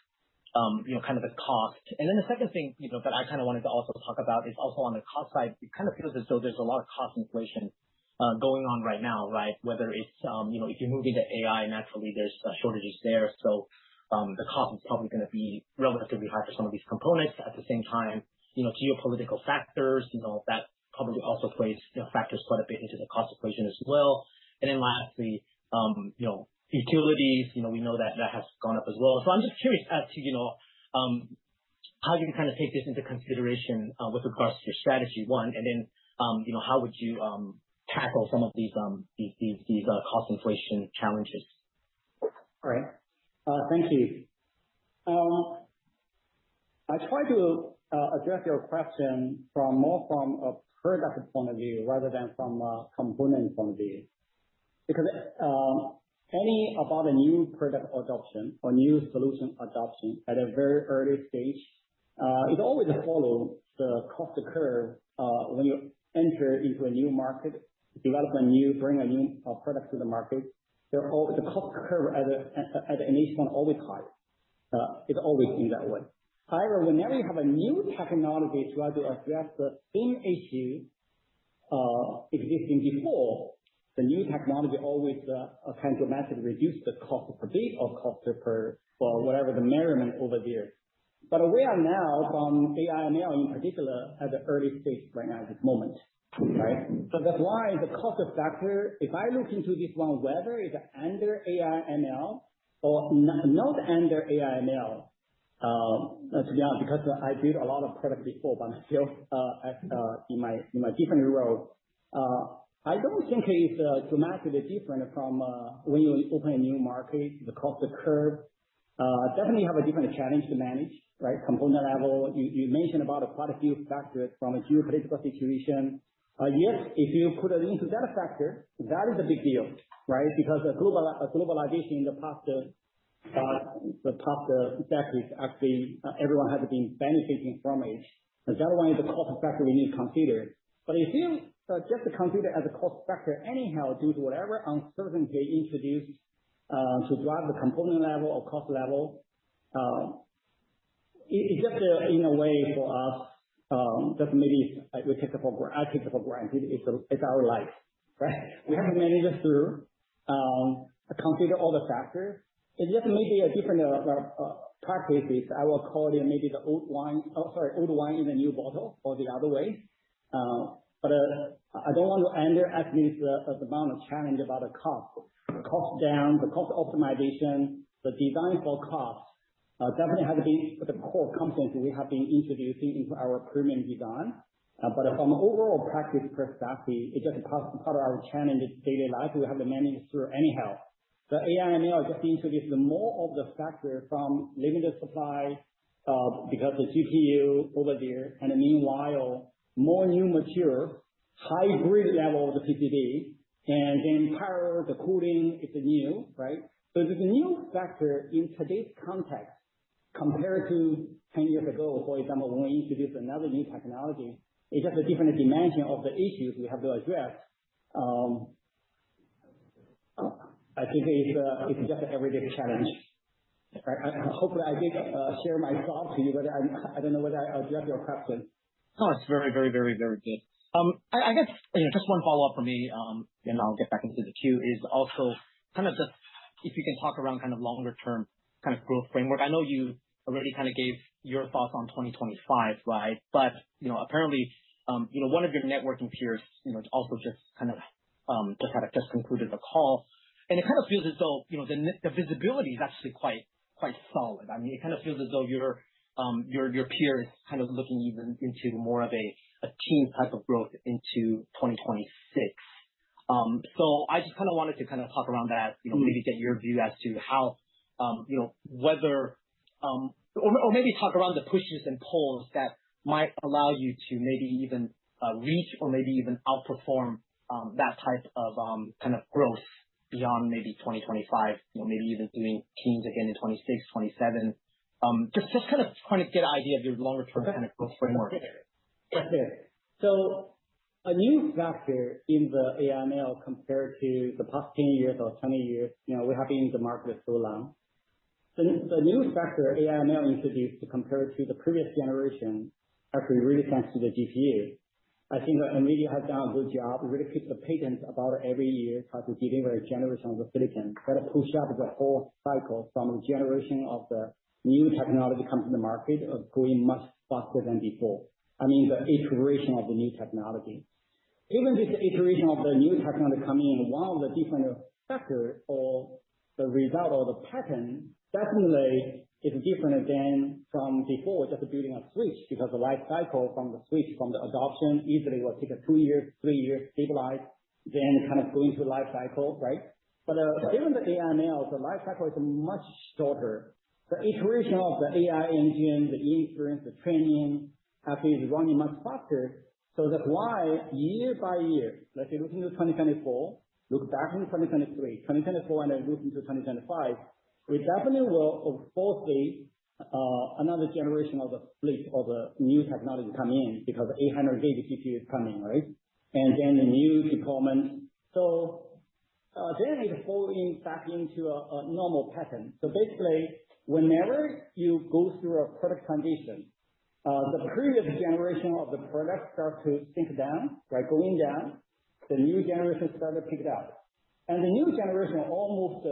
the cost. Then the second thing that I wanted to also talk about is also on the cost side. It feels as though there's a lot of cost inflation going on right now, right? Whether if you move into AI, naturally, there's shortages there. The cost is probably going to be relatively high for some of these components. At the same time, geopolitical factors, that probably also factors quite a bit into the cost equation as well. Then lastly, utilities, we know that has gone up as well. I'm just curious as to how you take this into consideration with regards to your strategy, one, and then how would you tackle some of these cost inflation challenges? Right. Thank you. I try to address your question from more from a product point of view rather than from a component point of view. Any about a new product adoption or new solution adoption at a very early stage, it always follows the cost curve. When you enter into a new market, bring a new product to the market, the cost curve at the initial is always high. It's always in that way. However, whenever you have a new technology try to address the same issue existing before, the new technology always dramatically reduce the cost per bit or cost per, well, whatever the measurement over there. We are now from AI and ML in particular, at the early stage right now, this moment, right? That's why the cost factor, if I look into this one, whether it's under AI/ML or not under AI/ML, to be honest, because I build a lot of product before, but still in my different role. I don't think it's dramatically different from when you open a new market, the cost curve. Definitely have a different challenge to manage, right. Component level. You mentioned about a quite a few factors from a geopolitical situation. Yes. If you put it into that factor, that is a big deal, right. Because globalization in the past decades, actually, everyone has been benefiting from it. That one is a cost factor we need to consider. If you just consider as a cost factor anyhow, due to whatever uncertainty introduced to drive the component level or cost level, it's just in a way for us, I take it for granted. It's our life, right. We have to manage it through, consider all the factors. It's just maybe a different practices. I will call it maybe the old wine in the new bottle or the other way. I don't want to underestimate the amount of challenge about the cost. The cost down, the cost optimization, the design for cost, definitely has been the core component we have been introducing into our premium design. From overall practice perspective, it's just part of our challenge in daily life. We have to manage through anyhow. The AI and ML just introduced more of the factor from limited supply, because the GPU over there, and meanwhile more new mature, high grid level of the PPD, and then power, the cooling is new, right. This new factor in today's context compared to 10 years ago, for example, when we introduced another new technology, it's just a different dimension of the issues we have to address. I think it's just an everyday challenge, right. Hopefully I did share my thoughts with you, I don't know whether I address your question. No, it's very good. I guess just one follow-up from me, then I'll get back into the queue, is also if you can talk around longer-term growth framework. I know you already gave your thoughts on 2025, right. Apparently, one of your networking peers, also just concluded the call, and it feels as though the visibility is actually quite solid. It feels as though your peer is looking even into more of a teen type of growth into 2026. I just wanted to talk around that. Maybe get your view as to how, or maybe talk around the pushes and pulls that might allow you to maybe even reach or maybe even outperform that type of growth beyond maybe 2025. Maybe even doing teens again in 2026, 2027. Just trying to get an idea of your longer-term kind of growth framework. Okay. A new factor in the AI/ML compared to the past 10 years or 20 years, we have been in the market for so long. The new factor AI/ML introduced compared to the previous generation, actually really thanks to the GPU. I think NVIDIA has done a good job. It really keeps the patents about every year, try to deliver a generation of the silicon that push up the whole cycle from generation of the new technology comes in the market of going much faster than before. I mean, the iteration of the new technology. Given the iteration of the new technology coming in, one of the different factors or the result of the pattern definitely is different than from before, just building a switch, because the life cycle from the switch, from the adoption, easily will take two years, three years to stabilize, kind of go into life cycle, right? Right. Given the AI/ML, the life cycle is much shorter. The iteration of the AI engine, the inference, the training, actually is running much faster. That's why year by year, let's say looking to 2024, look back on 2023, 2024 looking to 2025, we definitely will of course see another generation of the split of the new technology come in because 800G GPU is coming, right? The new deployment. It fall back into a normal pattern. Basically, whenever you go through a product transition, the previous generation of the product starts to sink down, right? Going down. The new generation starts to pick up. The new generation almost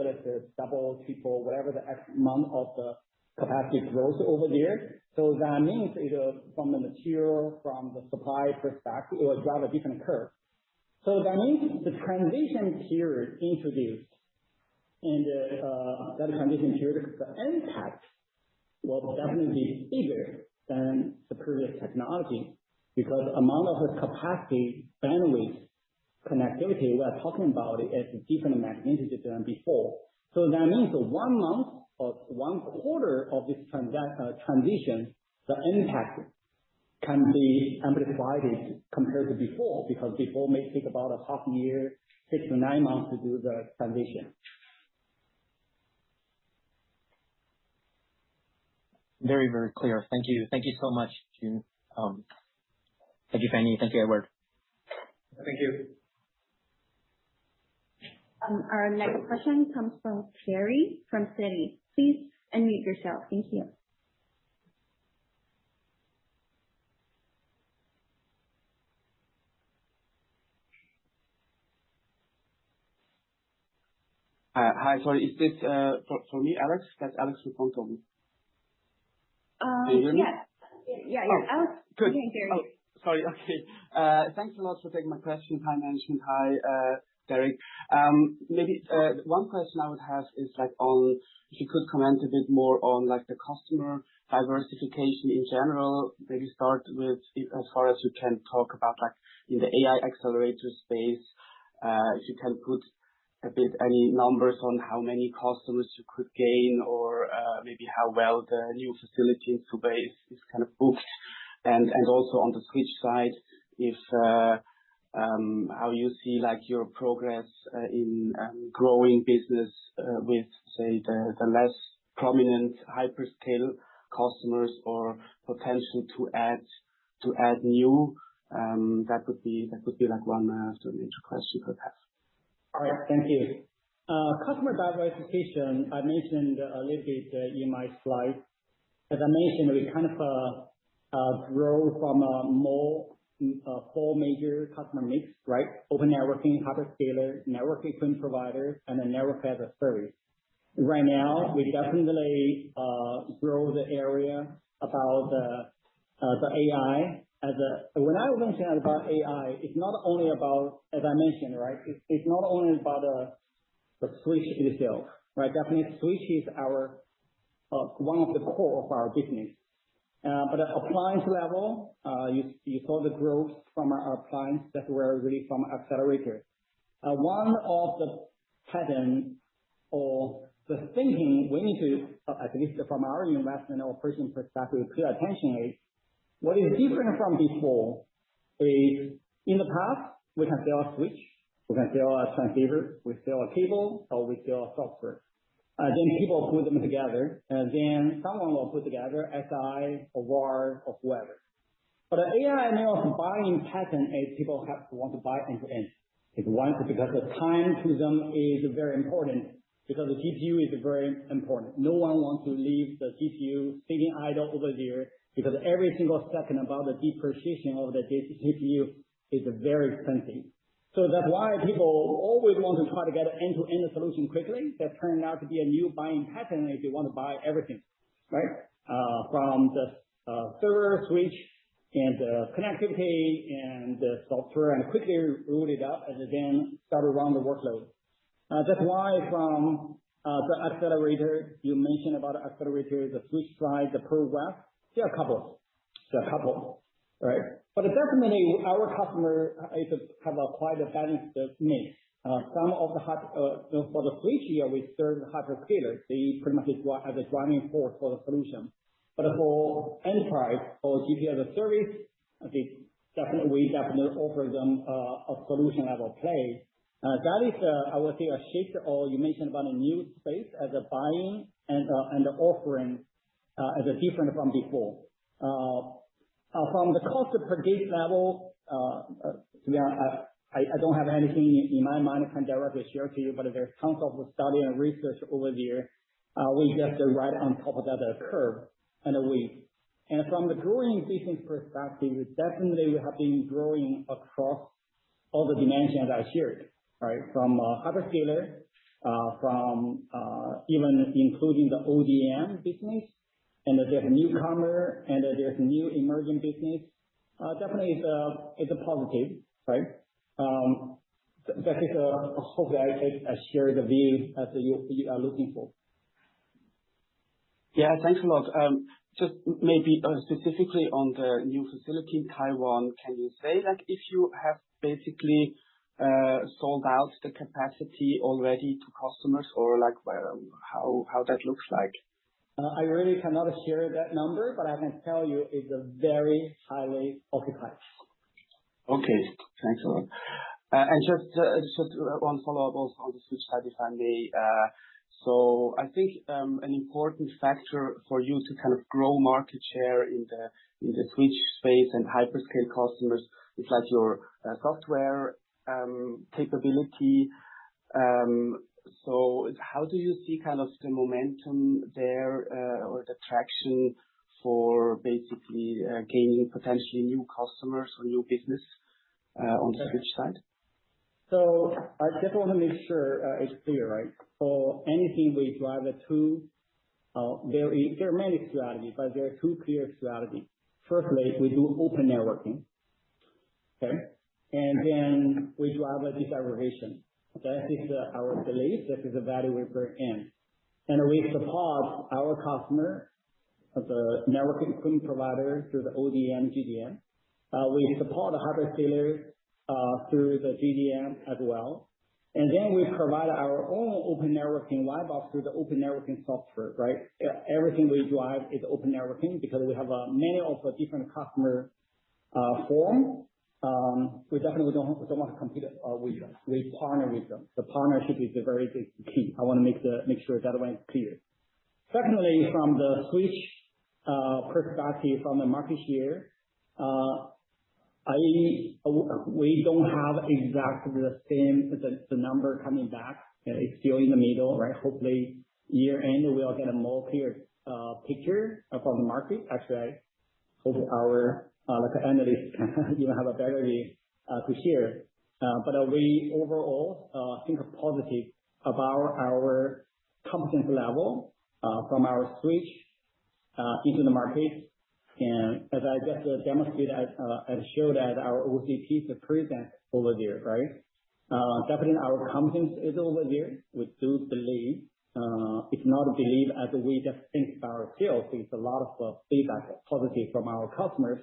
double, triple, whatever the X amount of the capacity growth over there. That means either from the material, from the supply perspective, it will drive a different curve. That means the transition period introduced, that transition period, the impact will definitely be bigger than the previous technology because amount of the capacity, bandwidth, connectivity we are talking about is a different magnitude than before. That means one month or one quarter of this transition, the impact can be amplified compared to before, because before may take about a half year, 6-9 months to do the transition. Very, very clear. Thank you. Thank you so much, Jun. Thank you, Fanny. Thank you, Edward. Thank you. Our next question comes from Jerry from Citi. Please unmute yourself. Thank you. Hi. Sorry, is this for me, Alex? It says Alex in front of me. Can you hear me? Yes. Yeah. Oh, good. Alex, you can hear me. Sorry. Okay. Thanks a lot for taking my question. Hi, Manjun. Hi, Derek. Maybe one question I would have is if you could comment a bit more on the customer diversification in general. Maybe start with as far as you can talk about in the AI accelerator space, if you can put a bit any numbers on how many customers you could gain or maybe how well the new facility in Vietnam is booked and, also on the switch side, how you see your progress in growing business with, say, the less prominent hyperscale customers or potential to add new. That would be one or two questions I have. All right. Thank you. Customer diversification, I mentioned a little bit in my slide. As I mentioned, we grow from four major customer mix, right? Open networking, hardware scalers, network equipment providers, and then network as a service. Right now, we definitely grow the area about the AI. When I was mentioning about AI, it's not only about, as I mentioned, it's not only about the switch itself. Definitely switch is one of the core of our business. At appliance level, you saw the growth from our appliance that were really from accelerator. One of the pattern or the thinking we need to, at least from our investment or purchasing perspective, pay attention is what is different from before is in the past, we can sell a switch, we can sell a transceiver, we sell a cable, or we sell a software. People put them together, someone will put together SI, or VAR or whoever. AI and ML buying pattern is people want to buy end-to-end. It's one, because the time to them is very important, because the GPU is very important. No one wants to leave the GPU sitting idle over there, because every single second about the depreciation of the GPU is very expensive. That's why people always want to try to get an end-to-end solution quickly. That turned out to be a new buying pattern, that they want to buy everything. From the server switch and the connectivity and the software, and quickly route it up and again, start to run the workload. That's why from the accelerator, you mentioned about accelerator, the switch side, the progress. There are a couple. Definitely our customer have acquired a balanced mix. For the switch here, we serve hardware scalers. They pretty much is as a driving force for the solution. For enterprise or GPU as a service, we definitely offer them a solution as a play. That is, I would say, a shift, or you mentioned about a new space as a buying and offering as different from before. From the cost per gig level, to be honest, I don't have anything in my mind I can directly share to you. There's tons of study and research over there. We just are right on top of that curve in a way. From the growing business perspective, definitely we have been growing across all the dimensions I shared. From hardware scaler, from even including the ODM business there's a newcomer, there's new emerging business. Definitely it's a positive. That is, hopefully I share the view that you are looking for. Yeah, thanks a lot. Just maybe specifically on the new facility in Taiwan, can you say if you have basically sold out the capacity already to customers or how that looks like? I really cannot share that number, but I can tell you it's very highly occupied. Okay. Thanks a lot. Just one follow-up also on the switch side, if I may. I think an important factor for you to grow market share in the switch space and hyperscale customers is your software capability. How do you see the momentum there? The traction for basically gaining potentially new customers or new business on the switch side? I just want to make sure it's clear, right? Anything we drive. There are many strategies, but there are two clear strategies. Firstly, we do open networking. Okay? We drive disaggregation. That is our belief. That is the value we bring in. We support our customer, the networking equipment provider through the ODM, GDM. We support the hardware scalers through the GDM as well. We provide our own open networking white box through the open networking software, right? Everything we drive is open networking because we have many of the different customer form. We definitely don't want to compete with them. We partner with them. The partnership is the very big key. I want to make sure that one is clear. Secondly, from the switch perspective, from the market share, we don't have exactly the same, the number coming back. It's still in the middle, right? Hopefully, year-end, we'll get a more clear picture from the market. Hopefully our, like analyst even have a better view to share. We overall think positive about our competence level from our switch into the market. As I just demonstrated, I showed that our OCP is present over there, right? Definitely our competence is over there. We do believe. If not believe, as we just think about sales, it's a lot of feedback positive from our customers,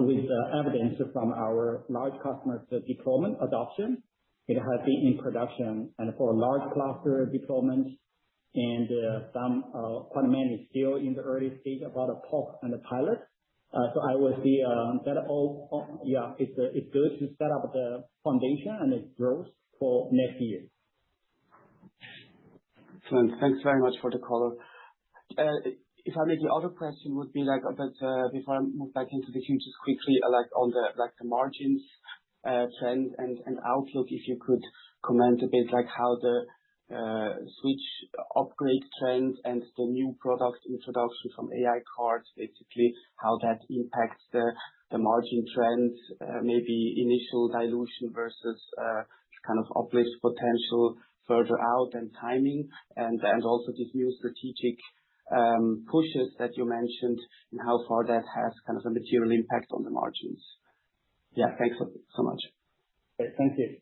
with evidence from our large customers deployment adoption. It has been in production and for large cluster deployments and quite many still in the early stage about a PoC and a pilot. I would see that all, yeah, it's good to set up the foundation and its growth for next year. Excellent. Thanks very much for the color. If I maybe other question would be like a bit, before I move back into the queue, just quickly, on the margins trend and outlook, if you could comment a bit how the switch upgrade trend and the new product introduction from AI cards, basically how that impacts the margin trends, maybe initial dilution versus uplift potential further out and timing and also these new strategic pushes that you mentioned and how far that has a material impact on the margins. Yeah. Thanks so much. Thank you.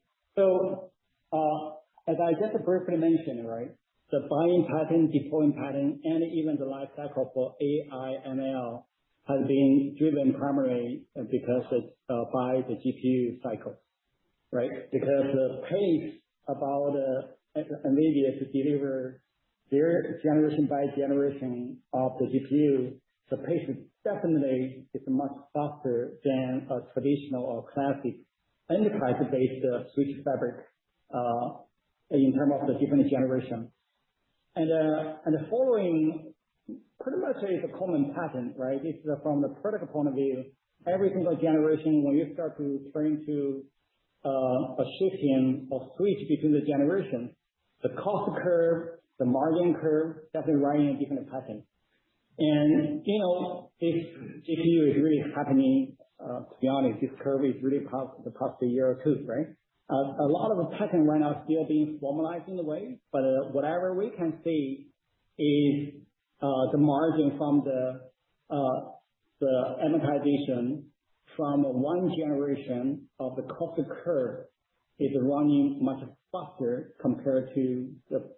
As I just briefly mentioned, right, the buying pattern, deployment pattern, and even the life cycle for AI/ML has been driven primarily because it's by the GPU cycle, right? Because the pace about NVIDIA to deliver their generation by generation of the GPU, the pace definitely is much faster than a traditional or classic enterprise-based switch fabric, in term of the different generation. The following pretty much is a common pattern, right? It's from the product point of view, every single generation, when you start to turn to a shifting of switch between the generation, the cost curve, the margin curve starts running a different pattern. This GPU is really happening, to be honest, this curve is really across the year or two, right? A lot of the pattern right now still being formalized in a way, whatever we can see is the margin from the amortization from one generation of the cost curve is running much faster compared to the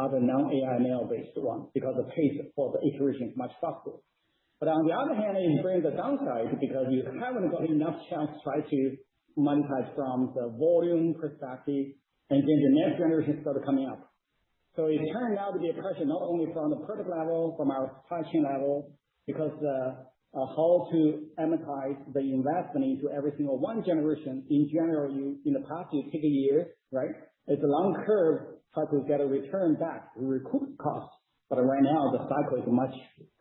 other non-AI/ML based one, because the pace for the iteration is much faster. On the other hand, it brings the downside because you haven't got enough chance to try to monetize from the volume perspective and then the next generation started coming up. It turned out to be a pressure not only from the product level, from our supply chain level, because how to amortize the investment into every single one generation. In general, in the past, you take a year, right? It's a long curve, how to get a return back to recoup cost. Right now, the cycle is much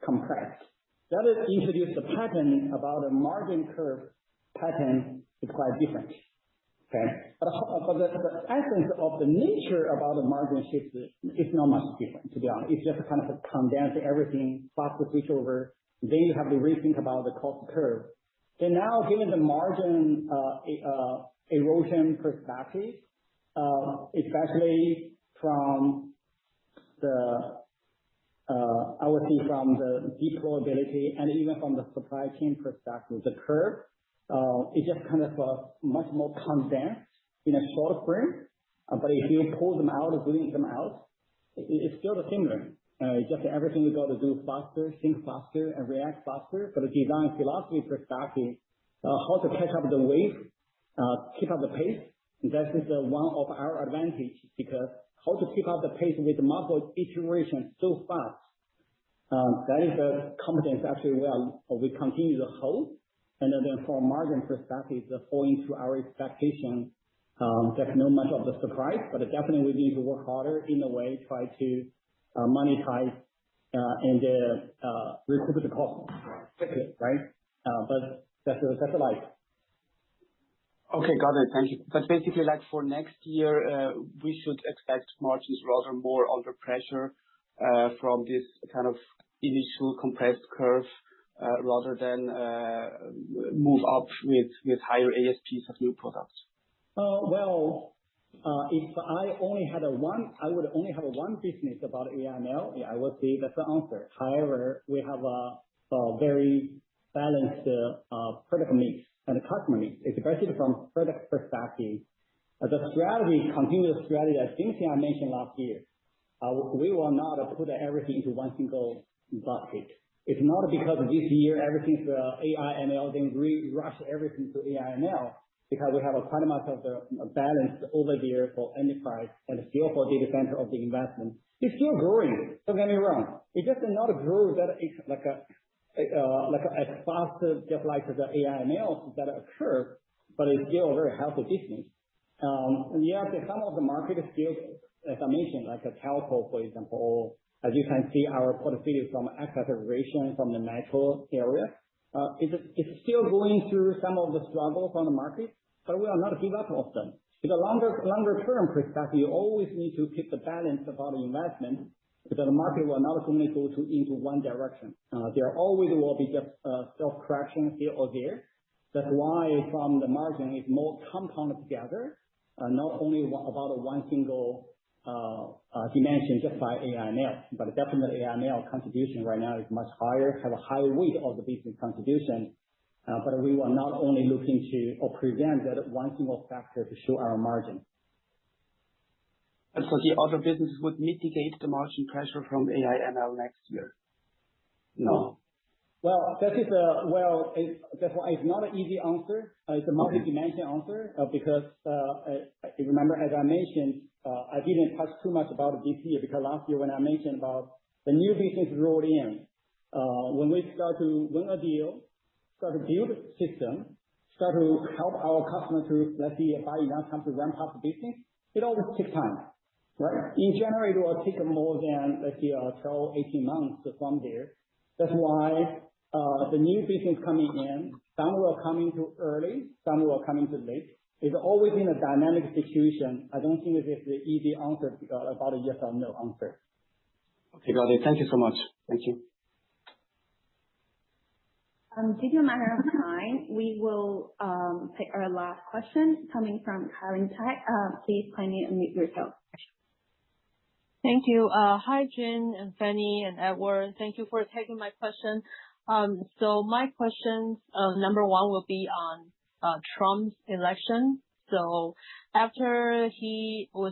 compressed. That introduce the pattern about a margin curve pattern is quite different. Okay. The essence of the nature about the margin shifts is not much different, to be honest. It's just kind of condense everything, faster switchover. Now given the margin erosion perspective. Especially from the, I would say from the deployability and even from the supply chain perspective, the curve, it just kind of much more condensed in a shorter frame. If you pull them out, release them out, it's still the same thing. Just everything you got to do faster, think faster, and react faster. The design philosophy perspective, how to catch up the wave, keep up the pace, that is one of our advantage because how to keep up the pace with multiple iterations so fast. That is the competence actually we continue to hold. Then from margin perspective, that fall into our expectation, there's not much of a surprise, but definitely we need to work harder in a way try to monetize and recover the cost quickly, right? That's the life. Okay, got it. Thank you. Basically, like for next year, we should expect margins rather more under pressure, from this kind of initial compressed curve, rather than move up with higher ASPs of new products. Well, if I would only have one business about AI/ML, I would say that's the answer. However, we have a very balanced product mix and a customer mix, especially from product perspective. The strategy, continuous strategy, as Jin Qiang mentioned last year, we will not put everything into one single basket. It's not because this year everything's AI/ML, then we rush everything to AI/ML because we have a ton amount of the balance over there for enterprise and still for data center of the investment. It's still growing. Don't get me wrong. It's just not growing as fast just like the AI/ML that occurred, but it's still a very healthy business. Yes, some of the market is still, as I mentioned, like a telco for example. As you can see our portfolio from acceleration from the metro area. It's still going through some of the struggles on the market, we will not give up on them. In a longer term perspective, you always need to keep the balance about investment, because the market will not only go into one direction. There always will be just a self-correction here or there. That's why from the margin it more compound together, not only about one single dimension just by AI/ML, but definitely AI/ML contribution right now is much higher, have a high weight of the business contribution. We will not only looking to or prevent that one single factor to show our margin. The other businesses would mitigate the margin pressure from AI/ML next year? No. Well, that's why it's not an easy answer. It's a multi-dimension answer because, if you remember, as I mentioned, I didn't touch too much about DP, because last year when I mentioned about the new business rolled in. When we start to win a deal, start to build a system, start to help our customer to, let's say, buy Innosilicon to ramp up the business, it always takes time, right? In general, it will take more than, let's say, 12, 18 months from there. That's why, the new business coming in, some will come in too early, some will come in too late. It's always been a dynamic situation. I don't think this is the easy answer about a yes or no answer. Okay, got it. Thank you so much. Thank you. Due to a matter of time, we will take our last question coming from Karen Tai. Please kindly unmute yourself. Thank you. Hi, Jun and Fanny and Edward. Thank you for taking my question. My question, number one will be on Trump's election. After he was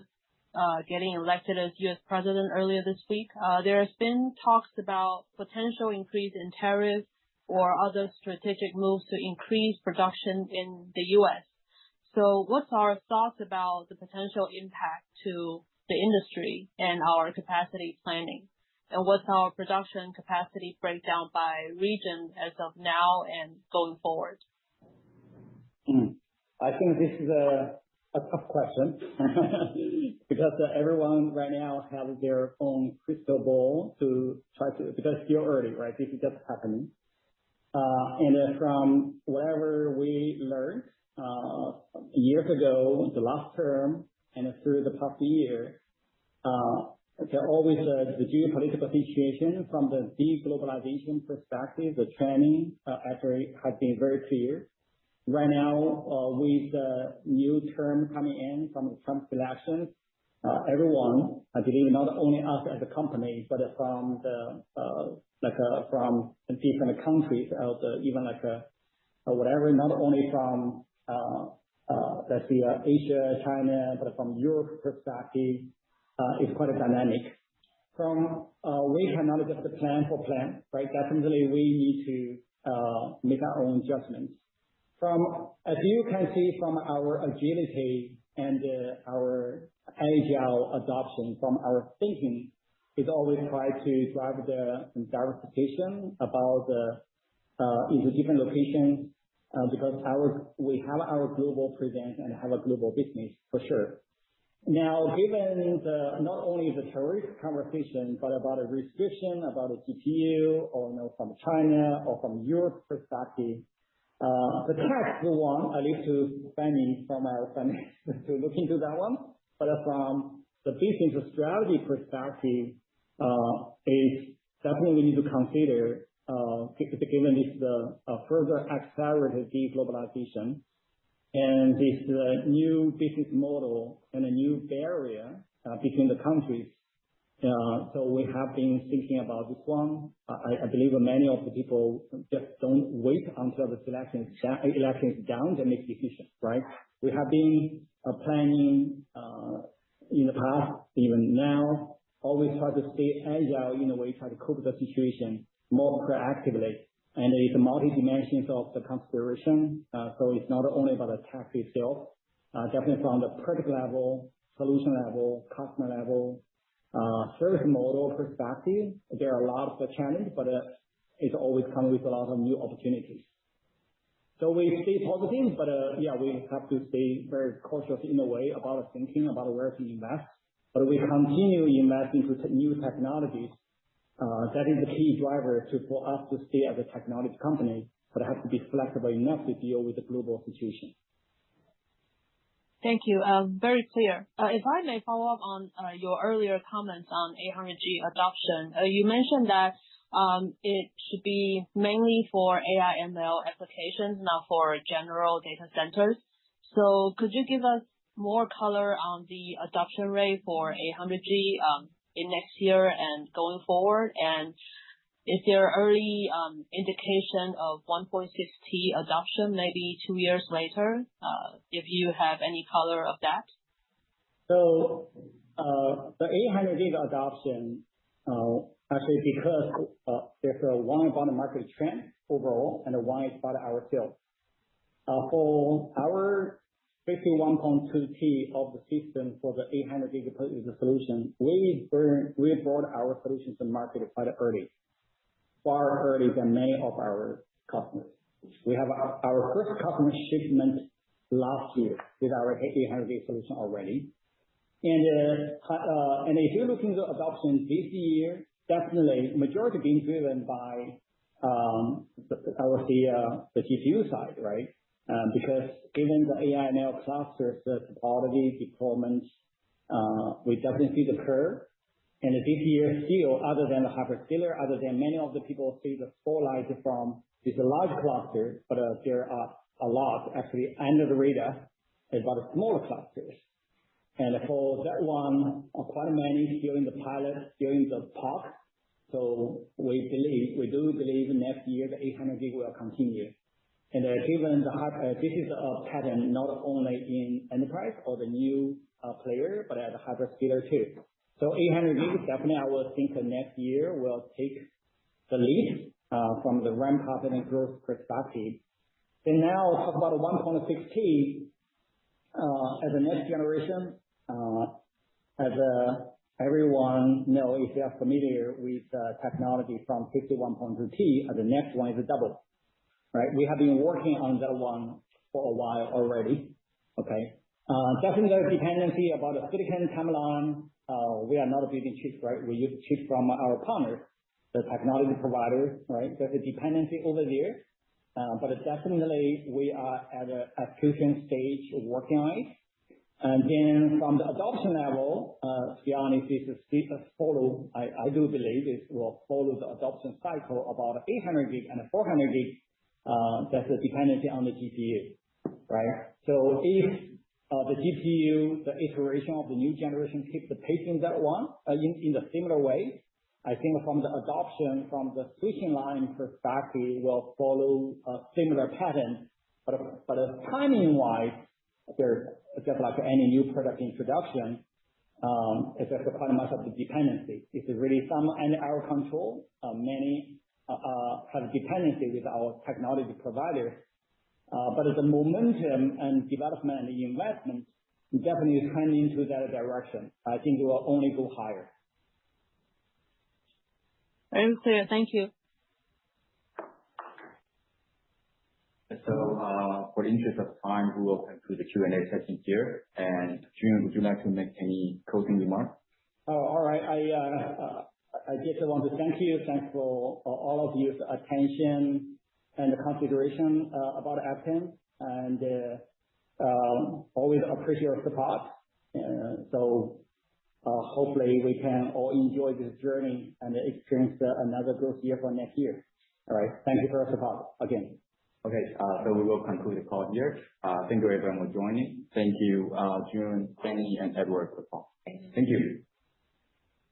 getting elected as U.S. president earlier this week, there has been talks about potential increase in tariffs or other strategic moves to increase production in the U.S. What's our thoughts about the potential impact to the industry and our capacity planning? What's our production capacity breakdown by region as of now and going forward? I think this is a tough question because everyone right now has their own crystal ball. It's still early, right? This is just happening. From whatever we learned, years ago, the last term and through the past year, there are always the geopolitical situation from the de-globalization perspective, the trending has been very clear. With the new term coming in from Trump's election, everyone, I believe not only us as a company, but from different countries, even like whatever, not only from, let's say, Asia, China, but from Europe perspective, is quite a dynamic. We cannot just plan for plan, right? Definitely, we need to make our own adjustments. As you can see from our agility and our agile adoption from our thinking, is always try to drive the diversification into different locations, because we have our global presence and have a global business for sure. Given not only the tariff conversation, but about a restriction, about a GPU or from China or from Europe perspective, the tax one, I leave to Fanny from our finance to look into that one. From the business strategy perspective, it's definitely we need to consider, because given this further accelerated de-globalization and this new business model and a new barrier between the countries. We have been thinking about this one. I believe many of the people just don't wait until the elections down to make decisions, right? We have been planning, in the past, even now, always try to stay agile in the way try to cope with the situation more proactively. It's multi-dimensions of the consideration. It's not only about the tech itself. Definitely from the product level, solution level, customer level, service model perspective, there are a lot of challenges, but it always come with a lot of new opportunities. We stay positive, but yeah, we have to stay very cautious in a way about thinking about where to invest. We continue investing to new technologies. That is the key driver for us to stay as a technology company, but have to be flexible enough to deal with the global situation. Thank you. Very clear. If I may follow up on your earlier comments on 800G adoption. You mentioned that it should be mainly for AI/ML applications, not for general data centers. Could you give us more color on the adoption rate for 800G in next year and going forward? Is there early indication of 1.6T adoption maybe two years later? If you have any color of that. The 800G adoption, actually because there's a one about the market trend overall and one is about our sales. For our 51.2T of the system for the 800 gig solution, we brought our solutions to market quite early, far early than many of our customers. We have our first customer shipment last year with our 800 solution already. If you're looking at adoption this year, definitely majority being driven by our GPU side, right? Because given the AI/ML cluster, the topology deployment, we definitely see the curve. This year still, other than the hyperscaler, other than many of the people see the spotlight from this large cluster, but there are a lot actually, under the radar, about smaller clusters. For that one, quite many still in the pilot, still in the talk. We do believe next year the 800G will continue. This is a pattern not only in enterprise or the new player, but at hyperscaler too. 800G definitely I would think the next year will take the lead, from the ramp up and growth perspective. Now talk about 1.6T, as a next generation. As everyone knows, if you are familiar with technology from 51.2T, the next one is a double. We have been working on that one for a while already. Definitely there's dependency about the silicon timeline. We are not a chip. We use chip from our partners, the technology providers. There's a dependency over there. Definitely we are at a sufficient stage working on it. From the adoption level, to be honest, I do believe this will follow the adoption cycle about 800G and 400G. That's a dependency on the GPU. If the GPU, the iteration of the new generation keeps the pace in that one in the similar way, I think from the adoption, from the switching line perspective will follow a similar pattern. Timing-wise, just like any new product introduction, it's just a matter of the dependency. It's really from in our control, many have dependency with our technology provider. The momentum and development and investment definitely is heading into that direction. I think it will only go higher. Very clear. Thank you. For the interest of time, we will conclude the Q&A session here. Jun, would you like to make any closing remarks? All right. I just want to thank you. Thanks for all of your attention and consideration about Accton. Always appreciate the support. Hopefully we can all enjoy this journey and experience another growth year for next year. All right. Thank you for the support again. Okay, we will conclude the call here. Thank you everyone for joining. Thank you, Jun, Fanny, and Edward for the call. Thank you.